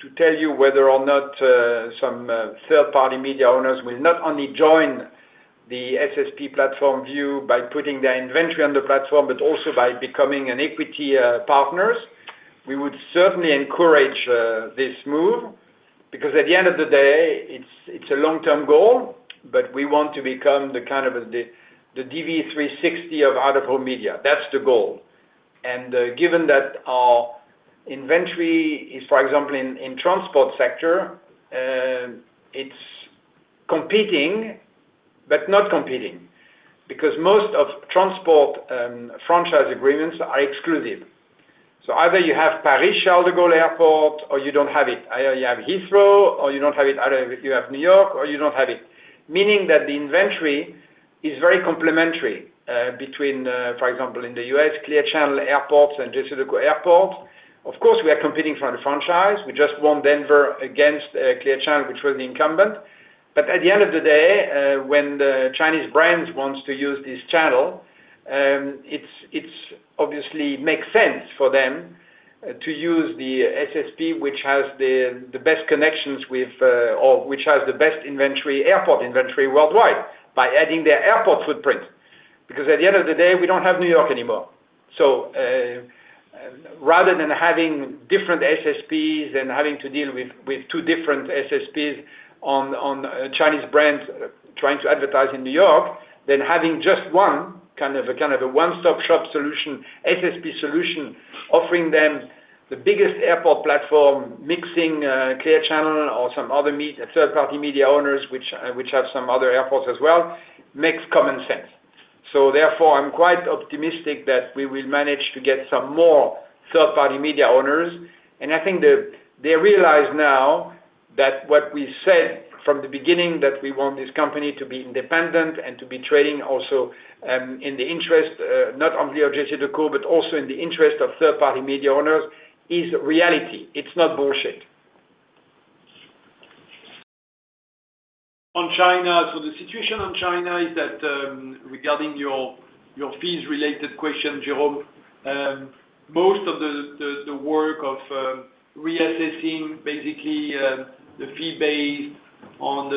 to tell you whether or not some third-party media owners will not only join the SSP platform VIOOH by putting their inventory on the platform, but also by becoming equity partners. We would certainly encourage this move because at the end of the day, it's a long-term goal, but we want to become the kind of the DV360 of out-of-home media. That's the goal. Given that our inventory is, for example, in transport sector, it's competing, but not competing because most of transport franchise agreements are exclusive. Either you have Paris Charles de Gaulle Airport, or you don't have it. Either you have Heathrow Airport, or you don't have it. Either you have New York, or you don't have it. Meaning that the inventory is very complementary, between, for example, in the U.S., Clear Channel Airports and JCDecaux Airport. Of course, we are competing for the franchise. We just won Denver against Clear Channel, which was the incumbent. At the end of the day, when the Chinese brands want to use this channel, it's obviously makes sense for them to use the SSP, which has the best connections with or which has the best inventory, airport inventory worldwide by adding their airport footprint. Because at the end of the day, we don't have New York anymore. Rather than having different SSPs and having to deal with two different SSPs on Chinese brands trying to advertise in New York than having just one kind of a one-stop shop solution, SSP solution, offering them the biggest airport platform, mixing Clear Channel or some other third-party media owners, which have some other airports as well, makes sense. I'm quite optimistic that we will manage to get some more third-party media owners. I think they realize now that what we said from the beginning, that we want this company to be independent and to be trading also, in the interest, not only of JCDecaux, but also in the interest of third-party media owners is reality. It's not bullshit. On China, the situation on China is that, regarding your fees related question, Jérôme, most of the work of reassessing basically the fee base on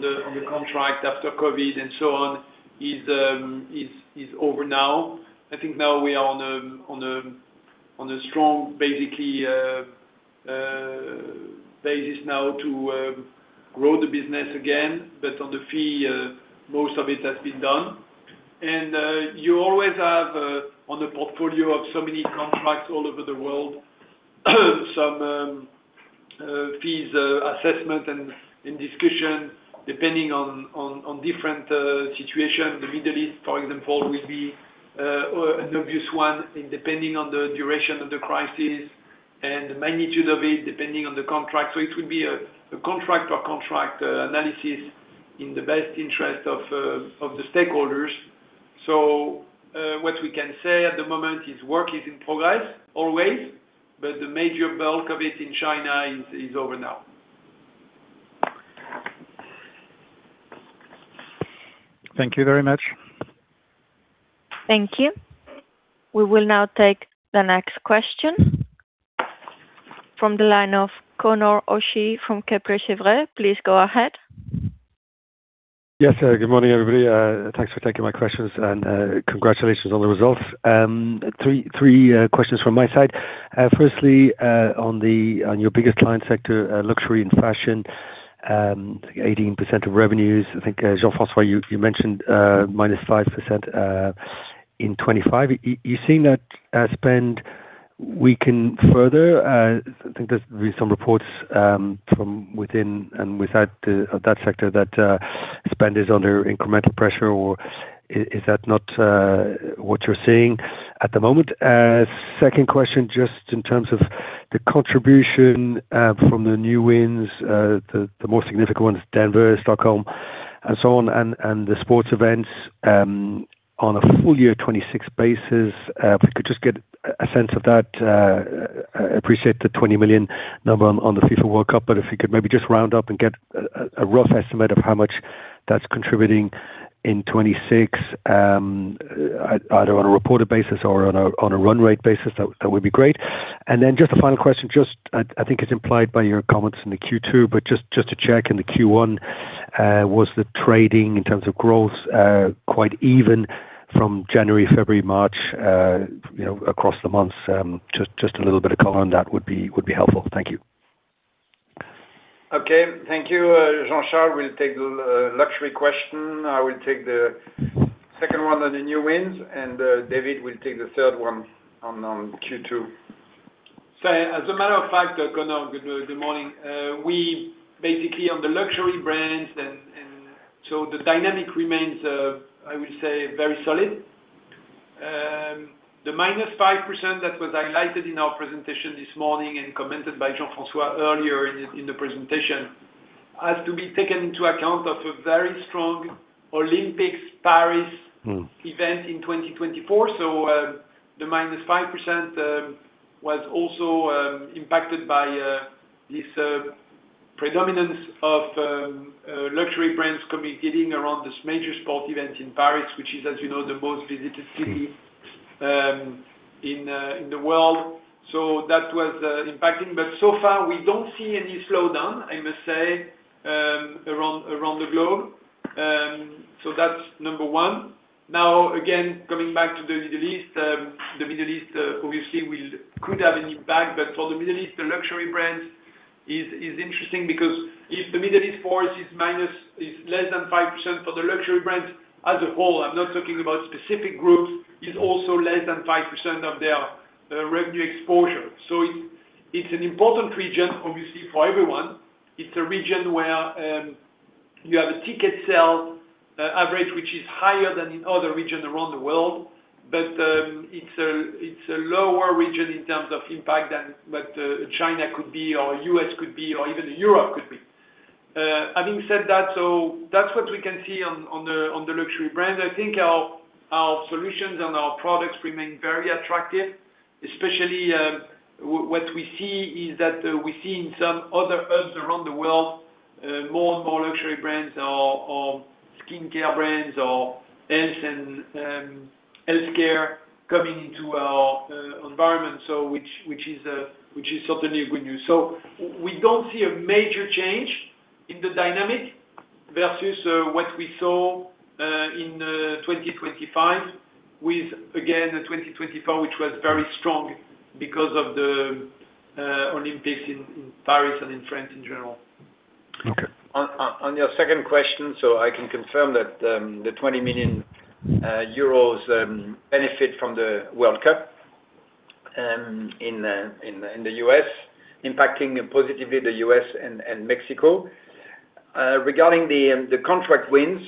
the contract after COVID and so on is over now. I think now we are on a strong, basically. is now to grow the business again, based on the fee. Most of it has been done. You always have on the portfolio of so many contracts all over the world, some fees assessment and discussion, depending on different situation. The Middle East, for example, will be an obvious one depending on the duration of the crisis and the magnitude of it, depending on the contract. It would be a contract analysis in the best interest of the stakeholders. What we can say at the moment is work is in progress, always, but the major bulk of it in China is over now. Thank you very much. Thank you. We will now take the next question from the line of Conor O'Shea from Kepler Cheuvreux. Please go ahead. Yes. Good morning, everybody. Thanks for taking my questions and, congratulations on the results. three questions from my side. Firstly, on your biggest client sector, luxury and fashion, 18% of revenues. I think, Jean-François, you mentioned, -5% in 2025. You're seeing that spend weaken further. I think there's been some reports, from within and without that sector that spend is under incremental pressure, or is that not what you're seeing at the moment? Second question, just in terms of the contribution, from the new wins, the most significant ones, Denver, Stockholm, and so on, and the sports events, on a full year 2026 basis, if we could just get a sense of that. Appreciate the 20 million number on the FIFA World Cup, but if you could maybe just round up and get a rough estimate of how much that's contributing in 2026, either on a reported basis or on a run rate basis, that would be great. Then just a final question, I think it's implied by your comments in the Q2, but just to check in the Q1, was the trading in terms of growth quite even from January, February, March, you know, across the months, just a little bit of color on that would be helpful. Thank you. Okay. Thank you. Jean-Charles will take the luxury question. I will take the second one on the new wins, and David will take the third one on Q2. As a matter of fact, Conor, good morning. We basically on the luxury brands and the dynamic remains, I will say very solid. The -5% that was highlighted in our presentation this morning and commented by Jean-François earlier in the presentation has to be taken into account of a very strong Paris Olympics event in 2024. The -5% was also impacted by this predominance of luxury brands competing around this major sport event in Paris, which is, as you know, the most visited city in the world. That was impacting. So far, we don't see any slowdown, I must say, around the globe. That's number one. Now, again, coming back to the Middle East, the Middle East obviously could have an impact. For the Middle East, the luxury brands is interesting because if the Middle East for us is less than 5% for the luxury brands as a whole, I'm not talking about specific groups, is also less than 5% of their revenue exposure. It's an important region obviously for everyone. It's a region where you have a ticket sale average, which is higher than in other regions around the world. It's a lower region in terms of impact than what China could be or U.S. could be or even Europe could be. Having said that's what we can see on the luxury brand. I think our solutions and our products remain very attractive, especially what we see is that we see in some other hubs around the world more and more luxury brands or skincare brands or health and healthcare coming into our environment, which is certainly good news. We don't see a major change in the dynamic versus what we saw in 2024, which was very strong because of the Olympics in Paris and in France in general. Okay. On your second question, I can confirm that the 20 million euros benefit from the World Cup in the U.S., impacting positively the U.S. and Mexico. Regarding the contract wins,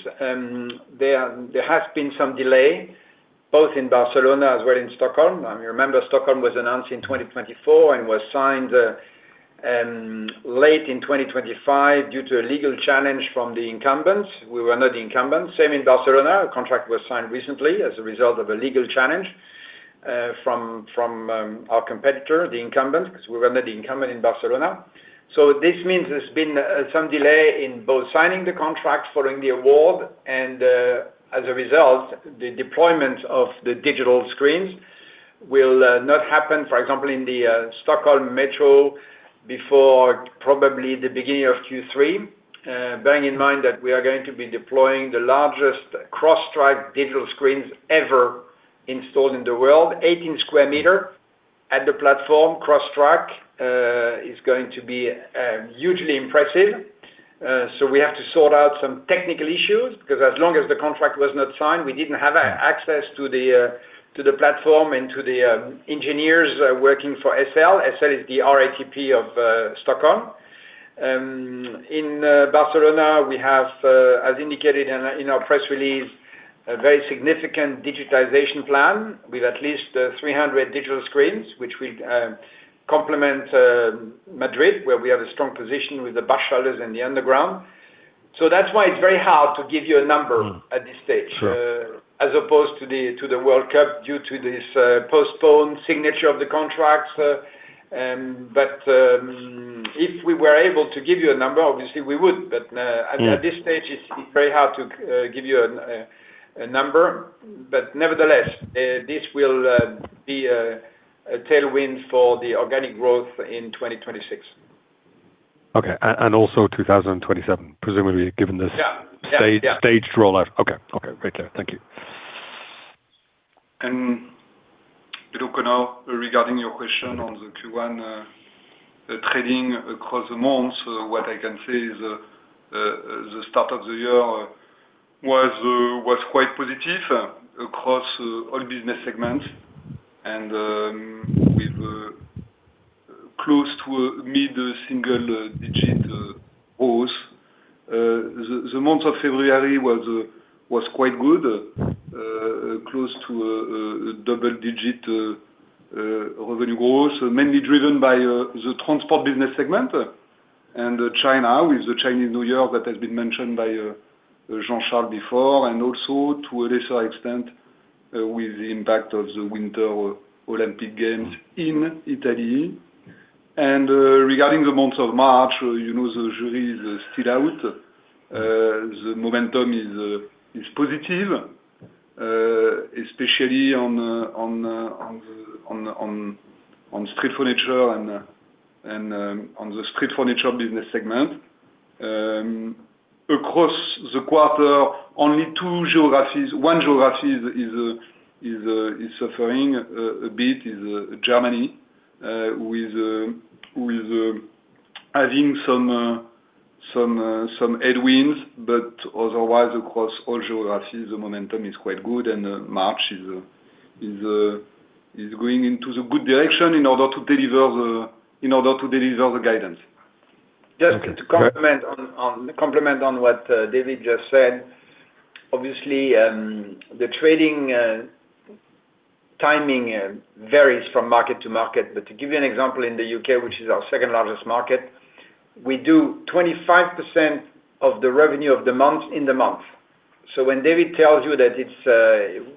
there has been some delay both in Barcelona as well in Stockholm. You remember Stockholm was announced in 2024 and was signed late in 2025 due to a legal challenge from the incumbents. We were not the incumbents. Same in Barcelona. A contract was signed recently as a result of a legal challenge from our competitor, the incumbent, because we were not the incumbent in Barcelona. This means there's been some delay in both signing the contract following the award and, as a result, the deployment of the digital screens will not happen, for example, in the Stockholm Metro before probably the beginning of Q3. Bearing in mind that we are going to be deploying the largest cross-track digital screens ever installed in the world, 18 square meters at the platform. Cross-track is going to be hugely impressive. We have to sort out some technical issues, 'cause as long as the contract was not signed, we didn't have access to the platform and to the engineers working for SL. SL is the RATP of Stockholm. In Barcelona, we have, as indicated in our press release, a very significant digitization plan with at least 300 digital screens, which we complement in Madrid, where we have a strong position with the bus shelters and the underground. That's why it's very hard to give you a number at this stage. Sure. As opposed to the World Cup due to this postponed signature of the contracts. If we were able to give you a number, obviously we would. Yeah. At this stage it's very hard to give you a number. Nevertheless, this will be a tailwind for the organic growth in 2026. Also 2027, presumably, given this. Yeah. Staged rollout. Okay. Great then. Thank you. Look now regarding your question on the Q1 trading across the months, what I can say is the start of the year was quite positive across all business segments and with close to mid-single-digit growth. The month of February was quite good, close to a double-digit revenue growth, mainly driven by the transport business segment, China with the Chinese New Year that has been mentioned by Jean-Charles before, and also to a lesser extent with the impact of the Winter Olympic Games in Italy. Regarding the month of March, you know, the jury is still out. The momentum is positive, especially on the street furniture and on the street furniture business segment. Across the quarter, only two geographies, one geography is suffering a bit, Germany, with some headwinds, but otherwise across all geographies, the momentum is quite good and March is going in the good direction in order to deliver the guidance. Okay. Just to comment on what David just said. Obviously, the trading timing varies from market to market. To give you an example, in the U.K., which is our second-largest market, we do 25% of the revenue of the month in the month. So when David tells you that it's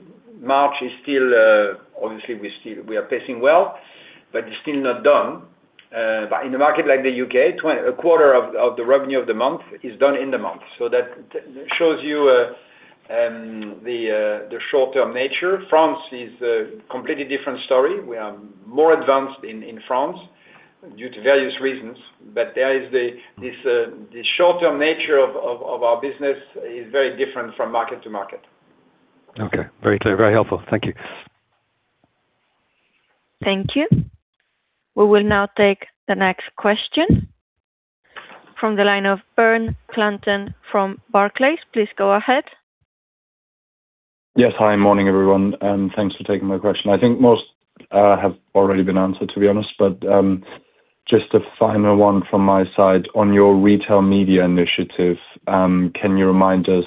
March is still obviously we are pacing well, but it's still not done. In a market like the U.K., a quarter of the revenue of the month is done in the month. So that shows you the short-term nature. France is a completely different story. We are more advanced in France due to various reasons. There is this short-term nature of our business is very different from market to market. Okay. Very clear. Very helpful. Thank you. Thank you. We will now take the next question from the line of Bernd Klanten from Barclays. Please go ahead. Yes. Hi, morning, everyone, and thanks for taking my question. I think most have already been answered, to be honest. Just a final one from my side. On your retail media initiative, can you remind us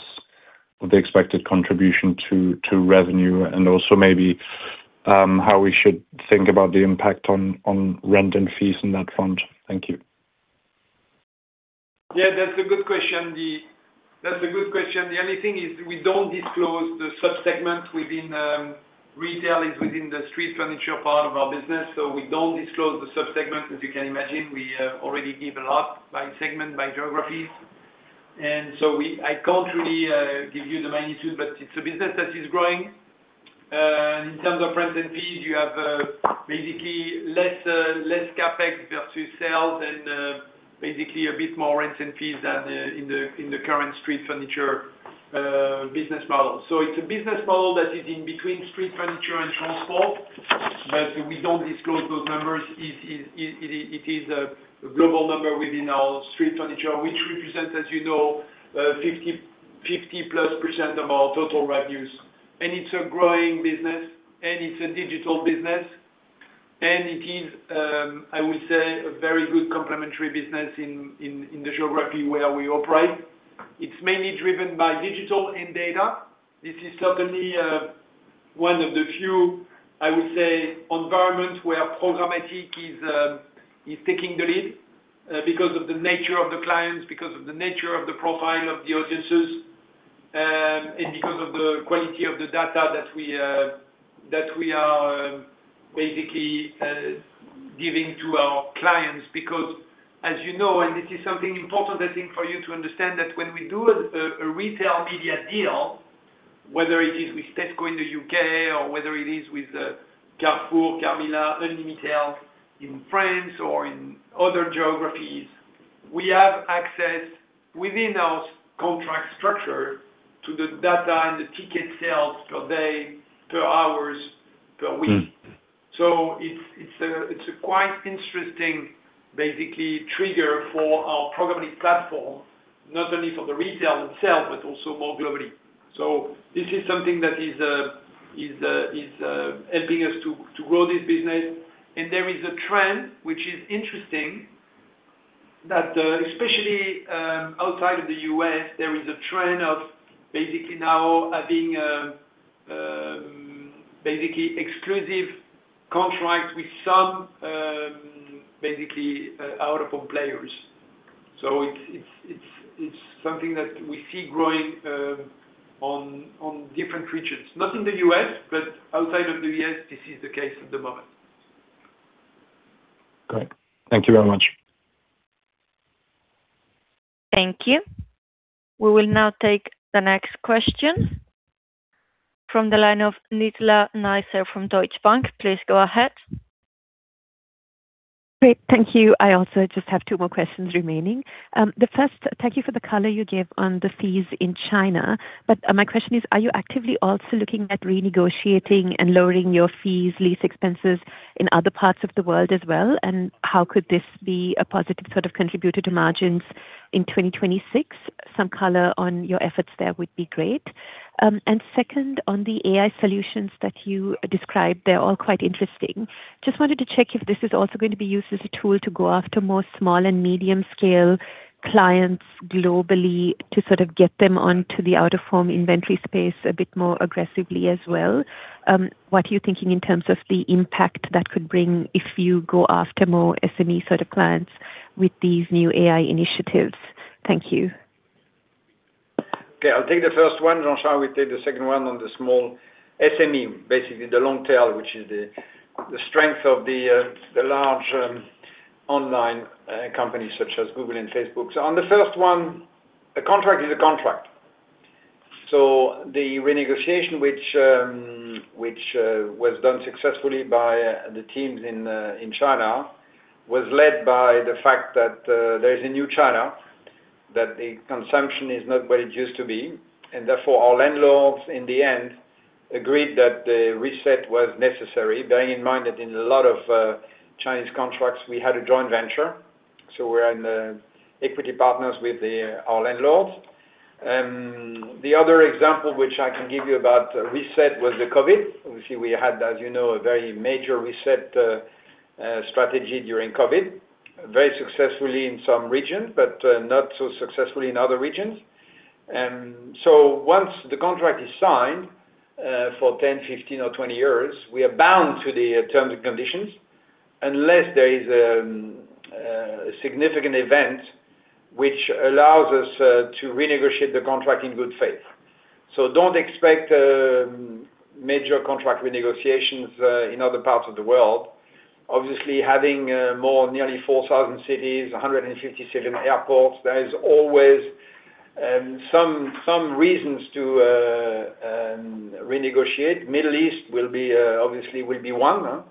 of the expected contribution to revenue and also maybe how we should think about the impact on rent and fees in that front? Thank you. Yeah, that's a good question. The only thing is we don't disclose the sub-segment within retail is within the street furniture part of our business, so we don't disclose the sub-segments. As you can imagine, we already give a lot by segment, by geographies. I can't really give you the magnitude, but it's a business that is growing. In terms of rent and fees, you have basically less CapEx versus sales and basically a bit more rent and fees than in the current street furniture business model. It's a business model that is in between street furniture and transport, but we don't disclose those numbers. It is a global number within our street furniture, which represents, as you know, 50%+ of our total revenues. It's a growing business, and it's a digital business. It is, I would say, a very good complementary business in the geography where we operate. It's mainly driven by digital and data. This is certainly one of the few, I would say, environments where programmatic is taking the lead because of the nature of the clients, because of the nature of the profile of the audiences, and because of the quality of the data that we that we are basically giving to our clients. Because, as you know, and this is something important, I think, for you to understand that when we do a retail media deal, whether it is with Tesco in the U.K. or whether it is with Carrefour, Carmila, Unibail in France or in other geographies. We have access within our contract structure to the data and the ticket sales per day, per hours, per week. Mm-hmm. It's a quite interesting basically trigger for our programmatic platform, not only for the retail itself, but also more globally. This is something that is helping us to grow this business. There is a trend which is interesting, that especially outside of the U.S., there is a trend of basically now having basically exclusive contracts with some basically out-of-home players. It's something that we see growing on different regions. Not in the U.S., but outside of the U.S., this is the case at the moment. Great. Thank you very much. Thank you. We will now take the next question from the line of Nizla Naizer from Deutsche Bank. Please go ahead. Great, thank you. I also just have two more questions remaining. The first, thank you for the color you gave on the fees in China. But, my question is, are you actively also looking at renegotiating and lowering your fees, lease expenses in other parts of the world as well? And how could this be a positive sort of contributor to margins in 2026? Some color on your efforts there would be great. And second, on the AI solutions that you described, they're all quite interesting. Just wanted to check if this is also gonna be used as a tool to go after more small and medium scale clients globally to sort of get them onto the out-of-home inventory space a bit more aggressively as well. What are you thinking in terms of the impact that could bring if you go after more SME sort of clients with these new AI initiatives? Thank you. Okay, I'll take the first one. Jean-Charles will take the second one on the small SME, basically the long tail, which is the strength of the large online companies such as Google and Facebook. On the first one, a contract is a contract. The renegotiation which was done successfully by the teams in China was led by the fact that there is a new China, that the consumption is not what it used to be, and therefore our landlords, in the end, agreed that the reset was necessary, bearing in mind that in a lot of Chinese contracts, we had a joint venture, so we're equity partners with our landlords. The other example which I can give you about reset was the COVID. Obviously, we had, as you know, a very major reset strategy during COVID, very successfully in some regions, but not so successfully in other regions. Once the contract is signed for 10 years, 15 years or 20 years, we are bound to the terms and conditions unless there is a significant event which allows us to renegotiate the contract in good faith. Don't expect major contract renegotiations in other parts of the world. Obviously, having more nearly 4,000 cities, 157 airports, there is always some reasons to renegotiate. Middle East will be, obviously, one.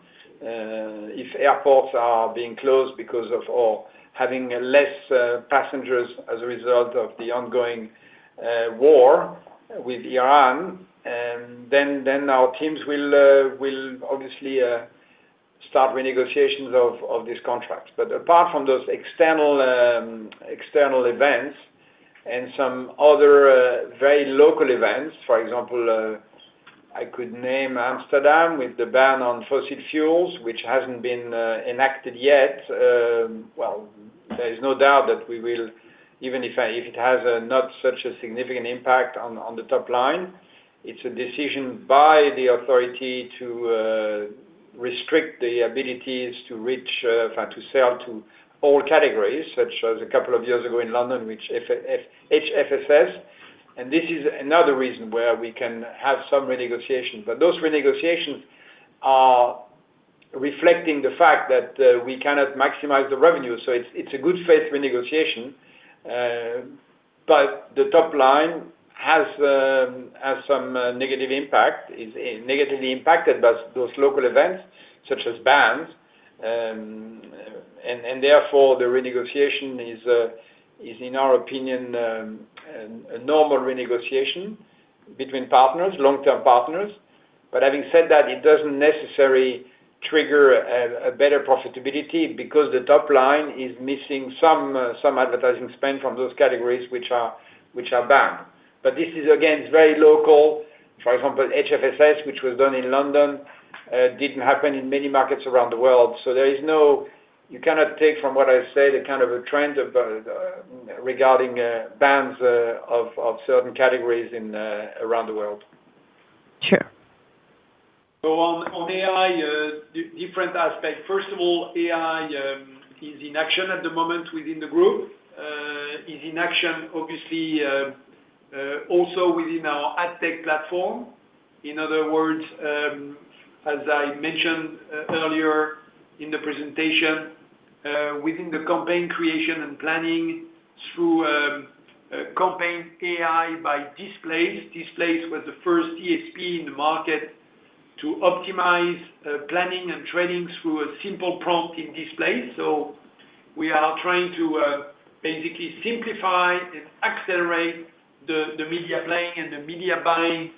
If airports are being closed because of or having less passengers as a result of the ongoing war with Iran, then our teams will obviously start renegotiations of these contracts. Apart from those external events and some other very local events, for example, I could name Amsterdam with the ban on fossil fuels, which hasn't been enacted yet. There is no doubt that we will, even if it has not such a significant impact on the top line, it's a decision by the authority to restrict the abilities to reach to sell to all categories, such as a couple of years ago in London, which HFSS. This is another reason where we can have some renegotiations. Those renegotiations are reflecting the fact that we cannot maximize the revenue. It's a good faith renegotiation. The top line has some negative impact, is negatively impacted by those local events such as bans. The renegotiation is in our opinion a normal renegotiation between partners, long-term partners. Having said that, it doesn't necessarily trigger a better profitability because the top line is missing some advertising spend from those categories which are banned. This is again very local. For example, HFSS, which was done in London, didn't happen in many markets around the world. You cannot take from what I said a kind of trend regarding bans of certain categories around the world. Sure. On AI, different aspect. First of all, AI is in action at the moment within the group, obviously also within our AdTech platform. In other words, as I mentioned earlier in the presentation, within the campaign creation and planning through. Campaign AI by Displayce. Displayce was the first DSP in the market to optimize planning and trading through a simple prompt in Displayce. We are trying to basically simplify and accelerate the media planning and the media buying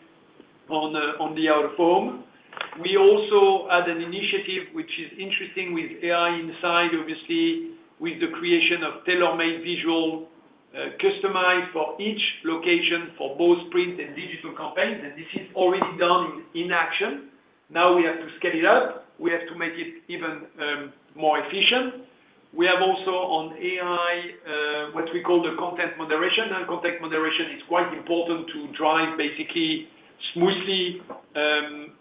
on the out-of-home. We also had an initiative which is interesting with AI inside, obviously with the creation of tailor-made visual customized for each location for both print and digital campaigns. This is already done in action. Now we have to scale it up. We have to make it even more efficient. We have also on AI what we call the content moderation. Content moderation is quite important to drive basically smoothly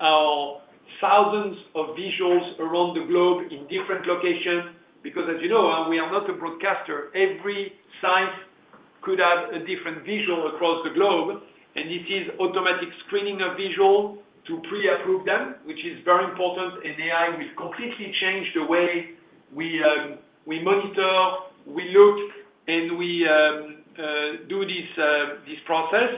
our thousands of visuals around the globe in different locations because as you know, we are not a broadcaster. Every site could have a different visual across the globe, and it is automatic screening of visual to pre-approve them, which is very important. AI will completely change the way we monitor, we look, and we do this process.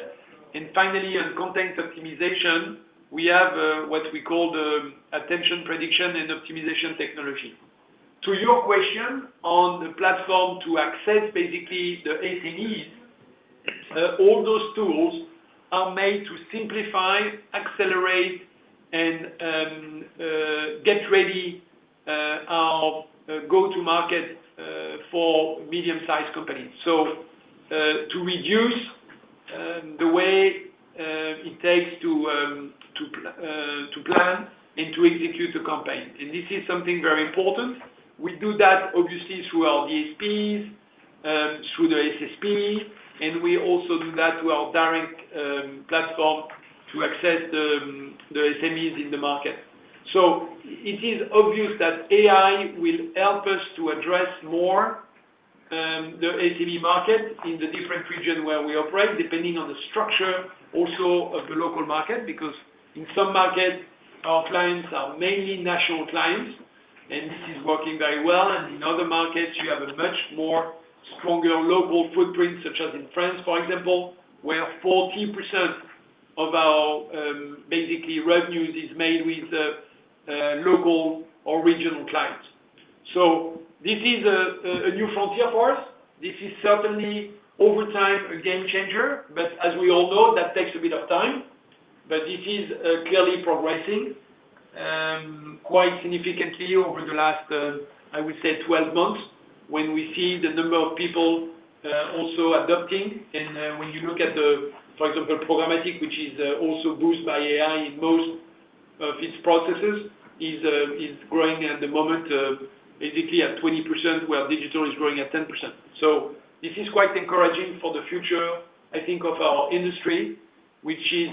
Finally, on content optimization, we have what we call the attention prediction and optimization technology. To your question on the platform to access basically the SMEs, all those tools are made to simplify, accelerate and get ready our go-to market for medium-sized companies. To reduce the way it takes to plan and to execute a campaign, and this is something very important. We do that obviously through our DSPs, through the SSPs, and we also do that through our direct platform to access the SMEs in the market. It is obvious that AI will help us to address more the SME market in the different regions where we operate, depending on the structure also of the local market. Because in some markets our clients are mainly national clients and this is working very well. In other markets you have a much more stronger local footprint, such as in France, for example, where 14% of our basically revenues is made with local or regional clients. This is a new frontier for us. This is certainly over time a game changer, but as we all know, that takes a bit of time. It is clearly progressing quite significantly over the last 12 months when we see the number of people also adopting. When you look at, for example, programmatic, which is also boosted by AI in most of its processes, is growing at the moment basically at 20% where digital is growing at 10%. This is quite encouraging for the future I think of our industry, which is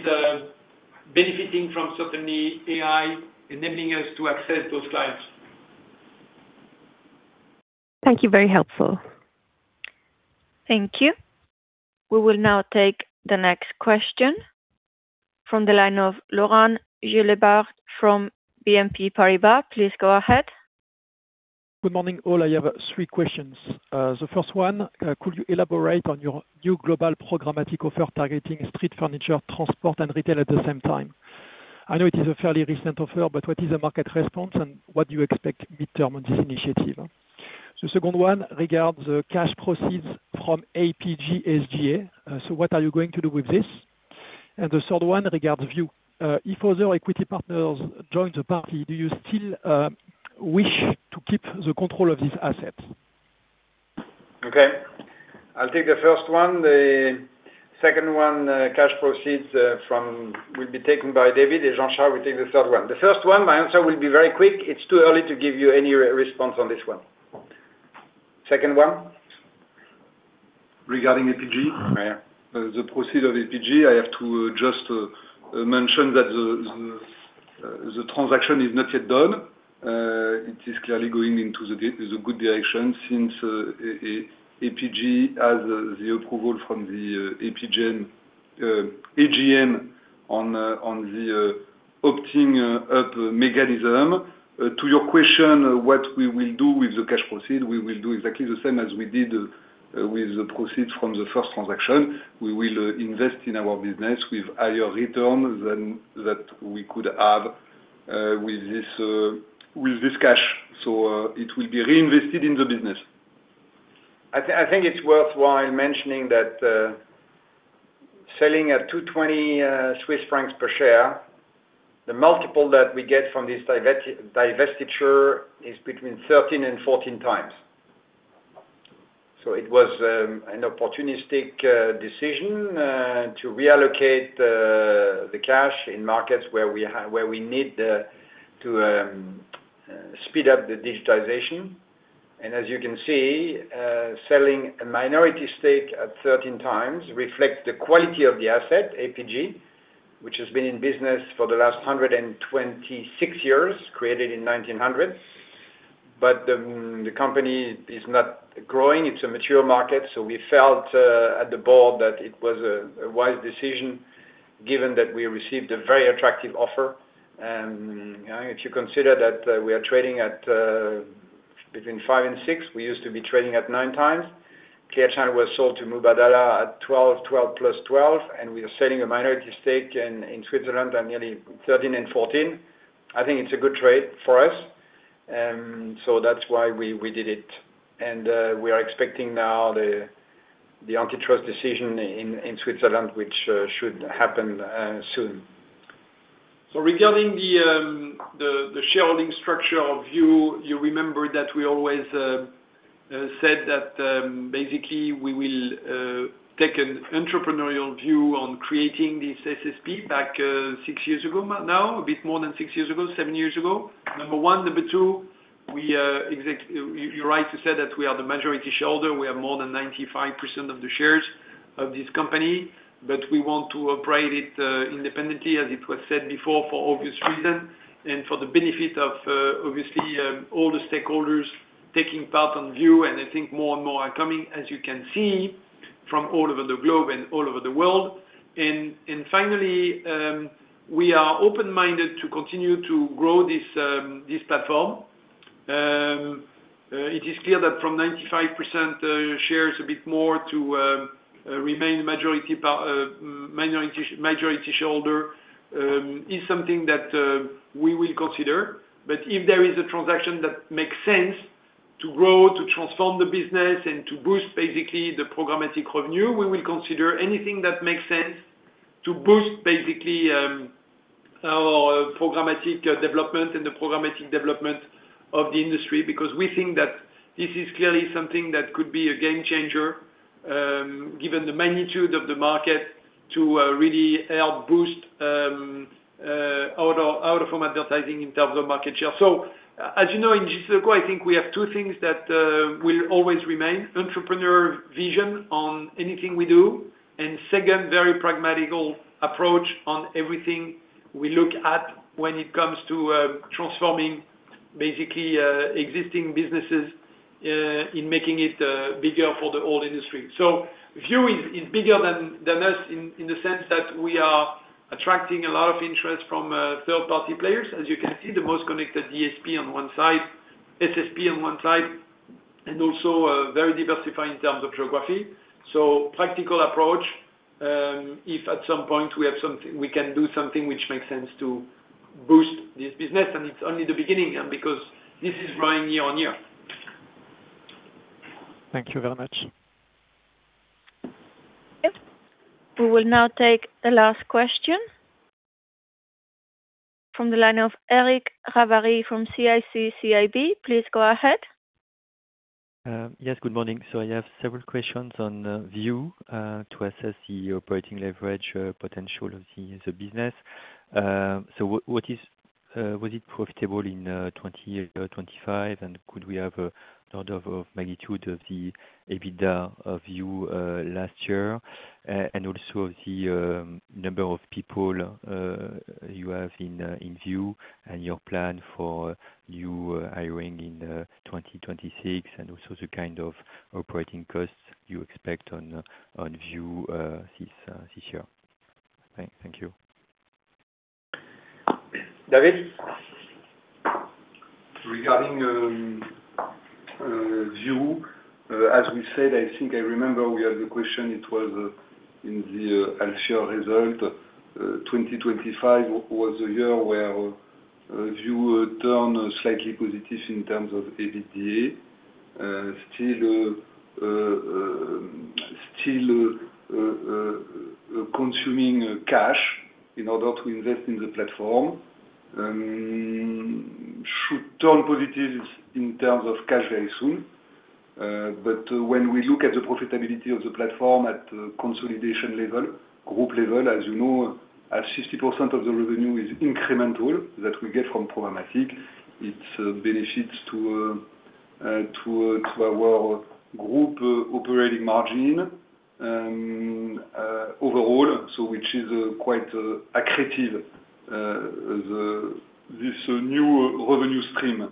benefiting from certainly AI enabling us to access those clients. Thank you. Very helpful. Thank you. We will now take the next question from the line of Laurent Juvet from BNP Paribas. Please go ahead. Good morning, all. I have three questions. The first one, could you elaborate on your new global programmatic offer targeting street furniture, transport and retail at the same time? I know it is a fairly recent offer, but what is the market response and what do you expect midterm on this initiative? The second one regards the cash proceeds from APG|SGA. So what are you going to do with this? The third one regards you. If other equity partners joined the party, do you still wish to keep the control of these assets? Okay. I'll take the first one. The second one, cash proceeds from will be taken by David, and Jean-Charles will take the third one. The first one, my answer will be very quick. It's too early to give you any response on this one. Second one. Regarding APG. Yeah. The proceeds of APG, I have to just mention that the transaction is not yet done. It is clearly going into the good direction since APG has the approval from the APG|SGA AGM on the opting up mechanism. To your question, what we will do with the cash proceeds, we will do exactly the same as we did with the proceeds from the first transaction. We will invest in our business with higher return than that we could have with this cash. It will be reinvested in the business. I think it's worthwhile mentioning that, selling at 220 Swiss francs per share, the multiple that we get from this divestiture is between 13 and 14 times. It was an opportunistic decision to reallocate the cash in markets where we need to speed up the digitization. As you can see, selling a minority stake at 13x reflects the quality of the asset, APG, which has been in business for the last 126 years, created in 1900. The company is not growing. It's a mature market. We felt at the board that it was a wise decision given that we received a very attractive offer. If you consider that we are trading at between five and six, we used to be trading at 9 times. Clear Channel China was sold to Mubadala at 12 + 12, and we are selling a minority stake in Switzerland at nearly 13 and 14. I think it's a good trade for us. That's why we did it. We are expecting now the antitrust decision in Switzerland, which should happen soon. Regarding the shareholding structure of VIOOH, you remember that we always said that basically we will take an entrepreneurial view on creating this SSP back six years ago now, a bit more than six years ago, seven years ago. Number one. Number two, you are right to say that we are the majority shareholder. We have more than 95% of the shares of this company. We want to operate it, independently, as it was said before, for obvious reasons, and for the benefit of, obviously, all the stakeholders taking part on VIOOH. I think more and more are coming, as you can see, from all over the globe and all over the world. We are open-minded to continue to grow this platform. It is clear that from 95%, shares a bit more to remain majority shareholder is something that we will consider. If there is a transaction that makes sense to grow, to transform the business and to boost basically the programmatic revenue, we will consider anything that makes sense to boost basically our programmatic development and the programmatic development of the industry. Because we think that this is clearly something that could be a game changer, given the magnitude of the market to really help boost out-of-home advertising in terms of market share. As you know, in JCDecaux, I think we have two things that will always remain. Entrepreneurial vision on anything we do, and second, very pragmatic approach on everything we look at when it comes to transforming basically existing businesses in making it bigger for the whole industry. VIOOH is bigger than us in the sense that we are attracting a lot of interest from third-party players. As you can see, the most connected DSP on one side, SSP on one side, and also very diversified in terms of geography. Practical approach. If at some point we have something, we can do something which makes sense to boost this business. It's only the beginning because this is growing year on year. Thank you very much. Yep. We will now take the last question from the line of Eric Ravary from CIC CIB. Please go ahead. Yes. Good morning. I have several questions on VIOOH to assess the operating leverage potential of the business. Was it profitable in 2020 or 2025? Could we have a sort of magnitude of the EBITDA of VIOOH last year? Also the number of people you have in VIOOH and your plan for hiring in 2026 and also the kind of operating costs you expect on VIOOH this year. Thank you. David? Regarding VIOOH, as we said, I think I remember we had the question, it was in the half-year result. 2025 was the year where VIOOH turned slightly positive in terms of EBITDA. Still consuming cash in order to invest in the platform. Should turn positive in terms of cash very soon. But when we look at the profitability of the platform at consolidation level, group level, as you know, as 60% of the revenue is incremental that we get from programmatic, it benefits to our group operating margin overall, which is quite accretive, this new revenue stream.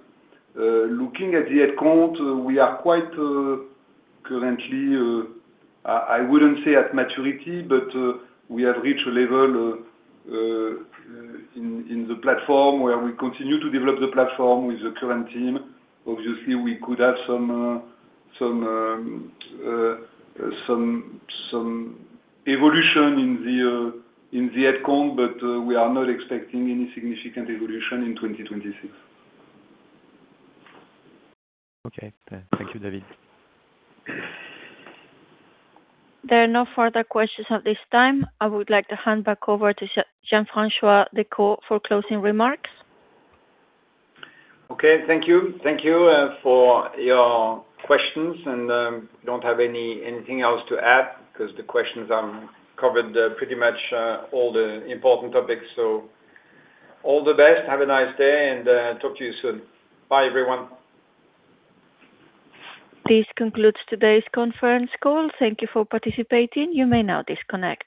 Looking at the ad count, we are quite currently, I wouldn't say at maturity, but we have reached a level in the platform where we continue to develop the platform with the current team. Obviously, we could have some evolution in the ad count, but we are not expecting any significant evolution in 2026. Okay. Thank you, David. There are no further questions at this time. I would like to hand back over to Jean-François Decaux for closing remarks. Okay. Thank you for your questions and don't have anything else to add because the questions covered pretty much all the important topics. All the best. Have a nice day and talk to you soon. Bye everyone. This concludes today's conference call. Thank you for participating. You may now disconnect.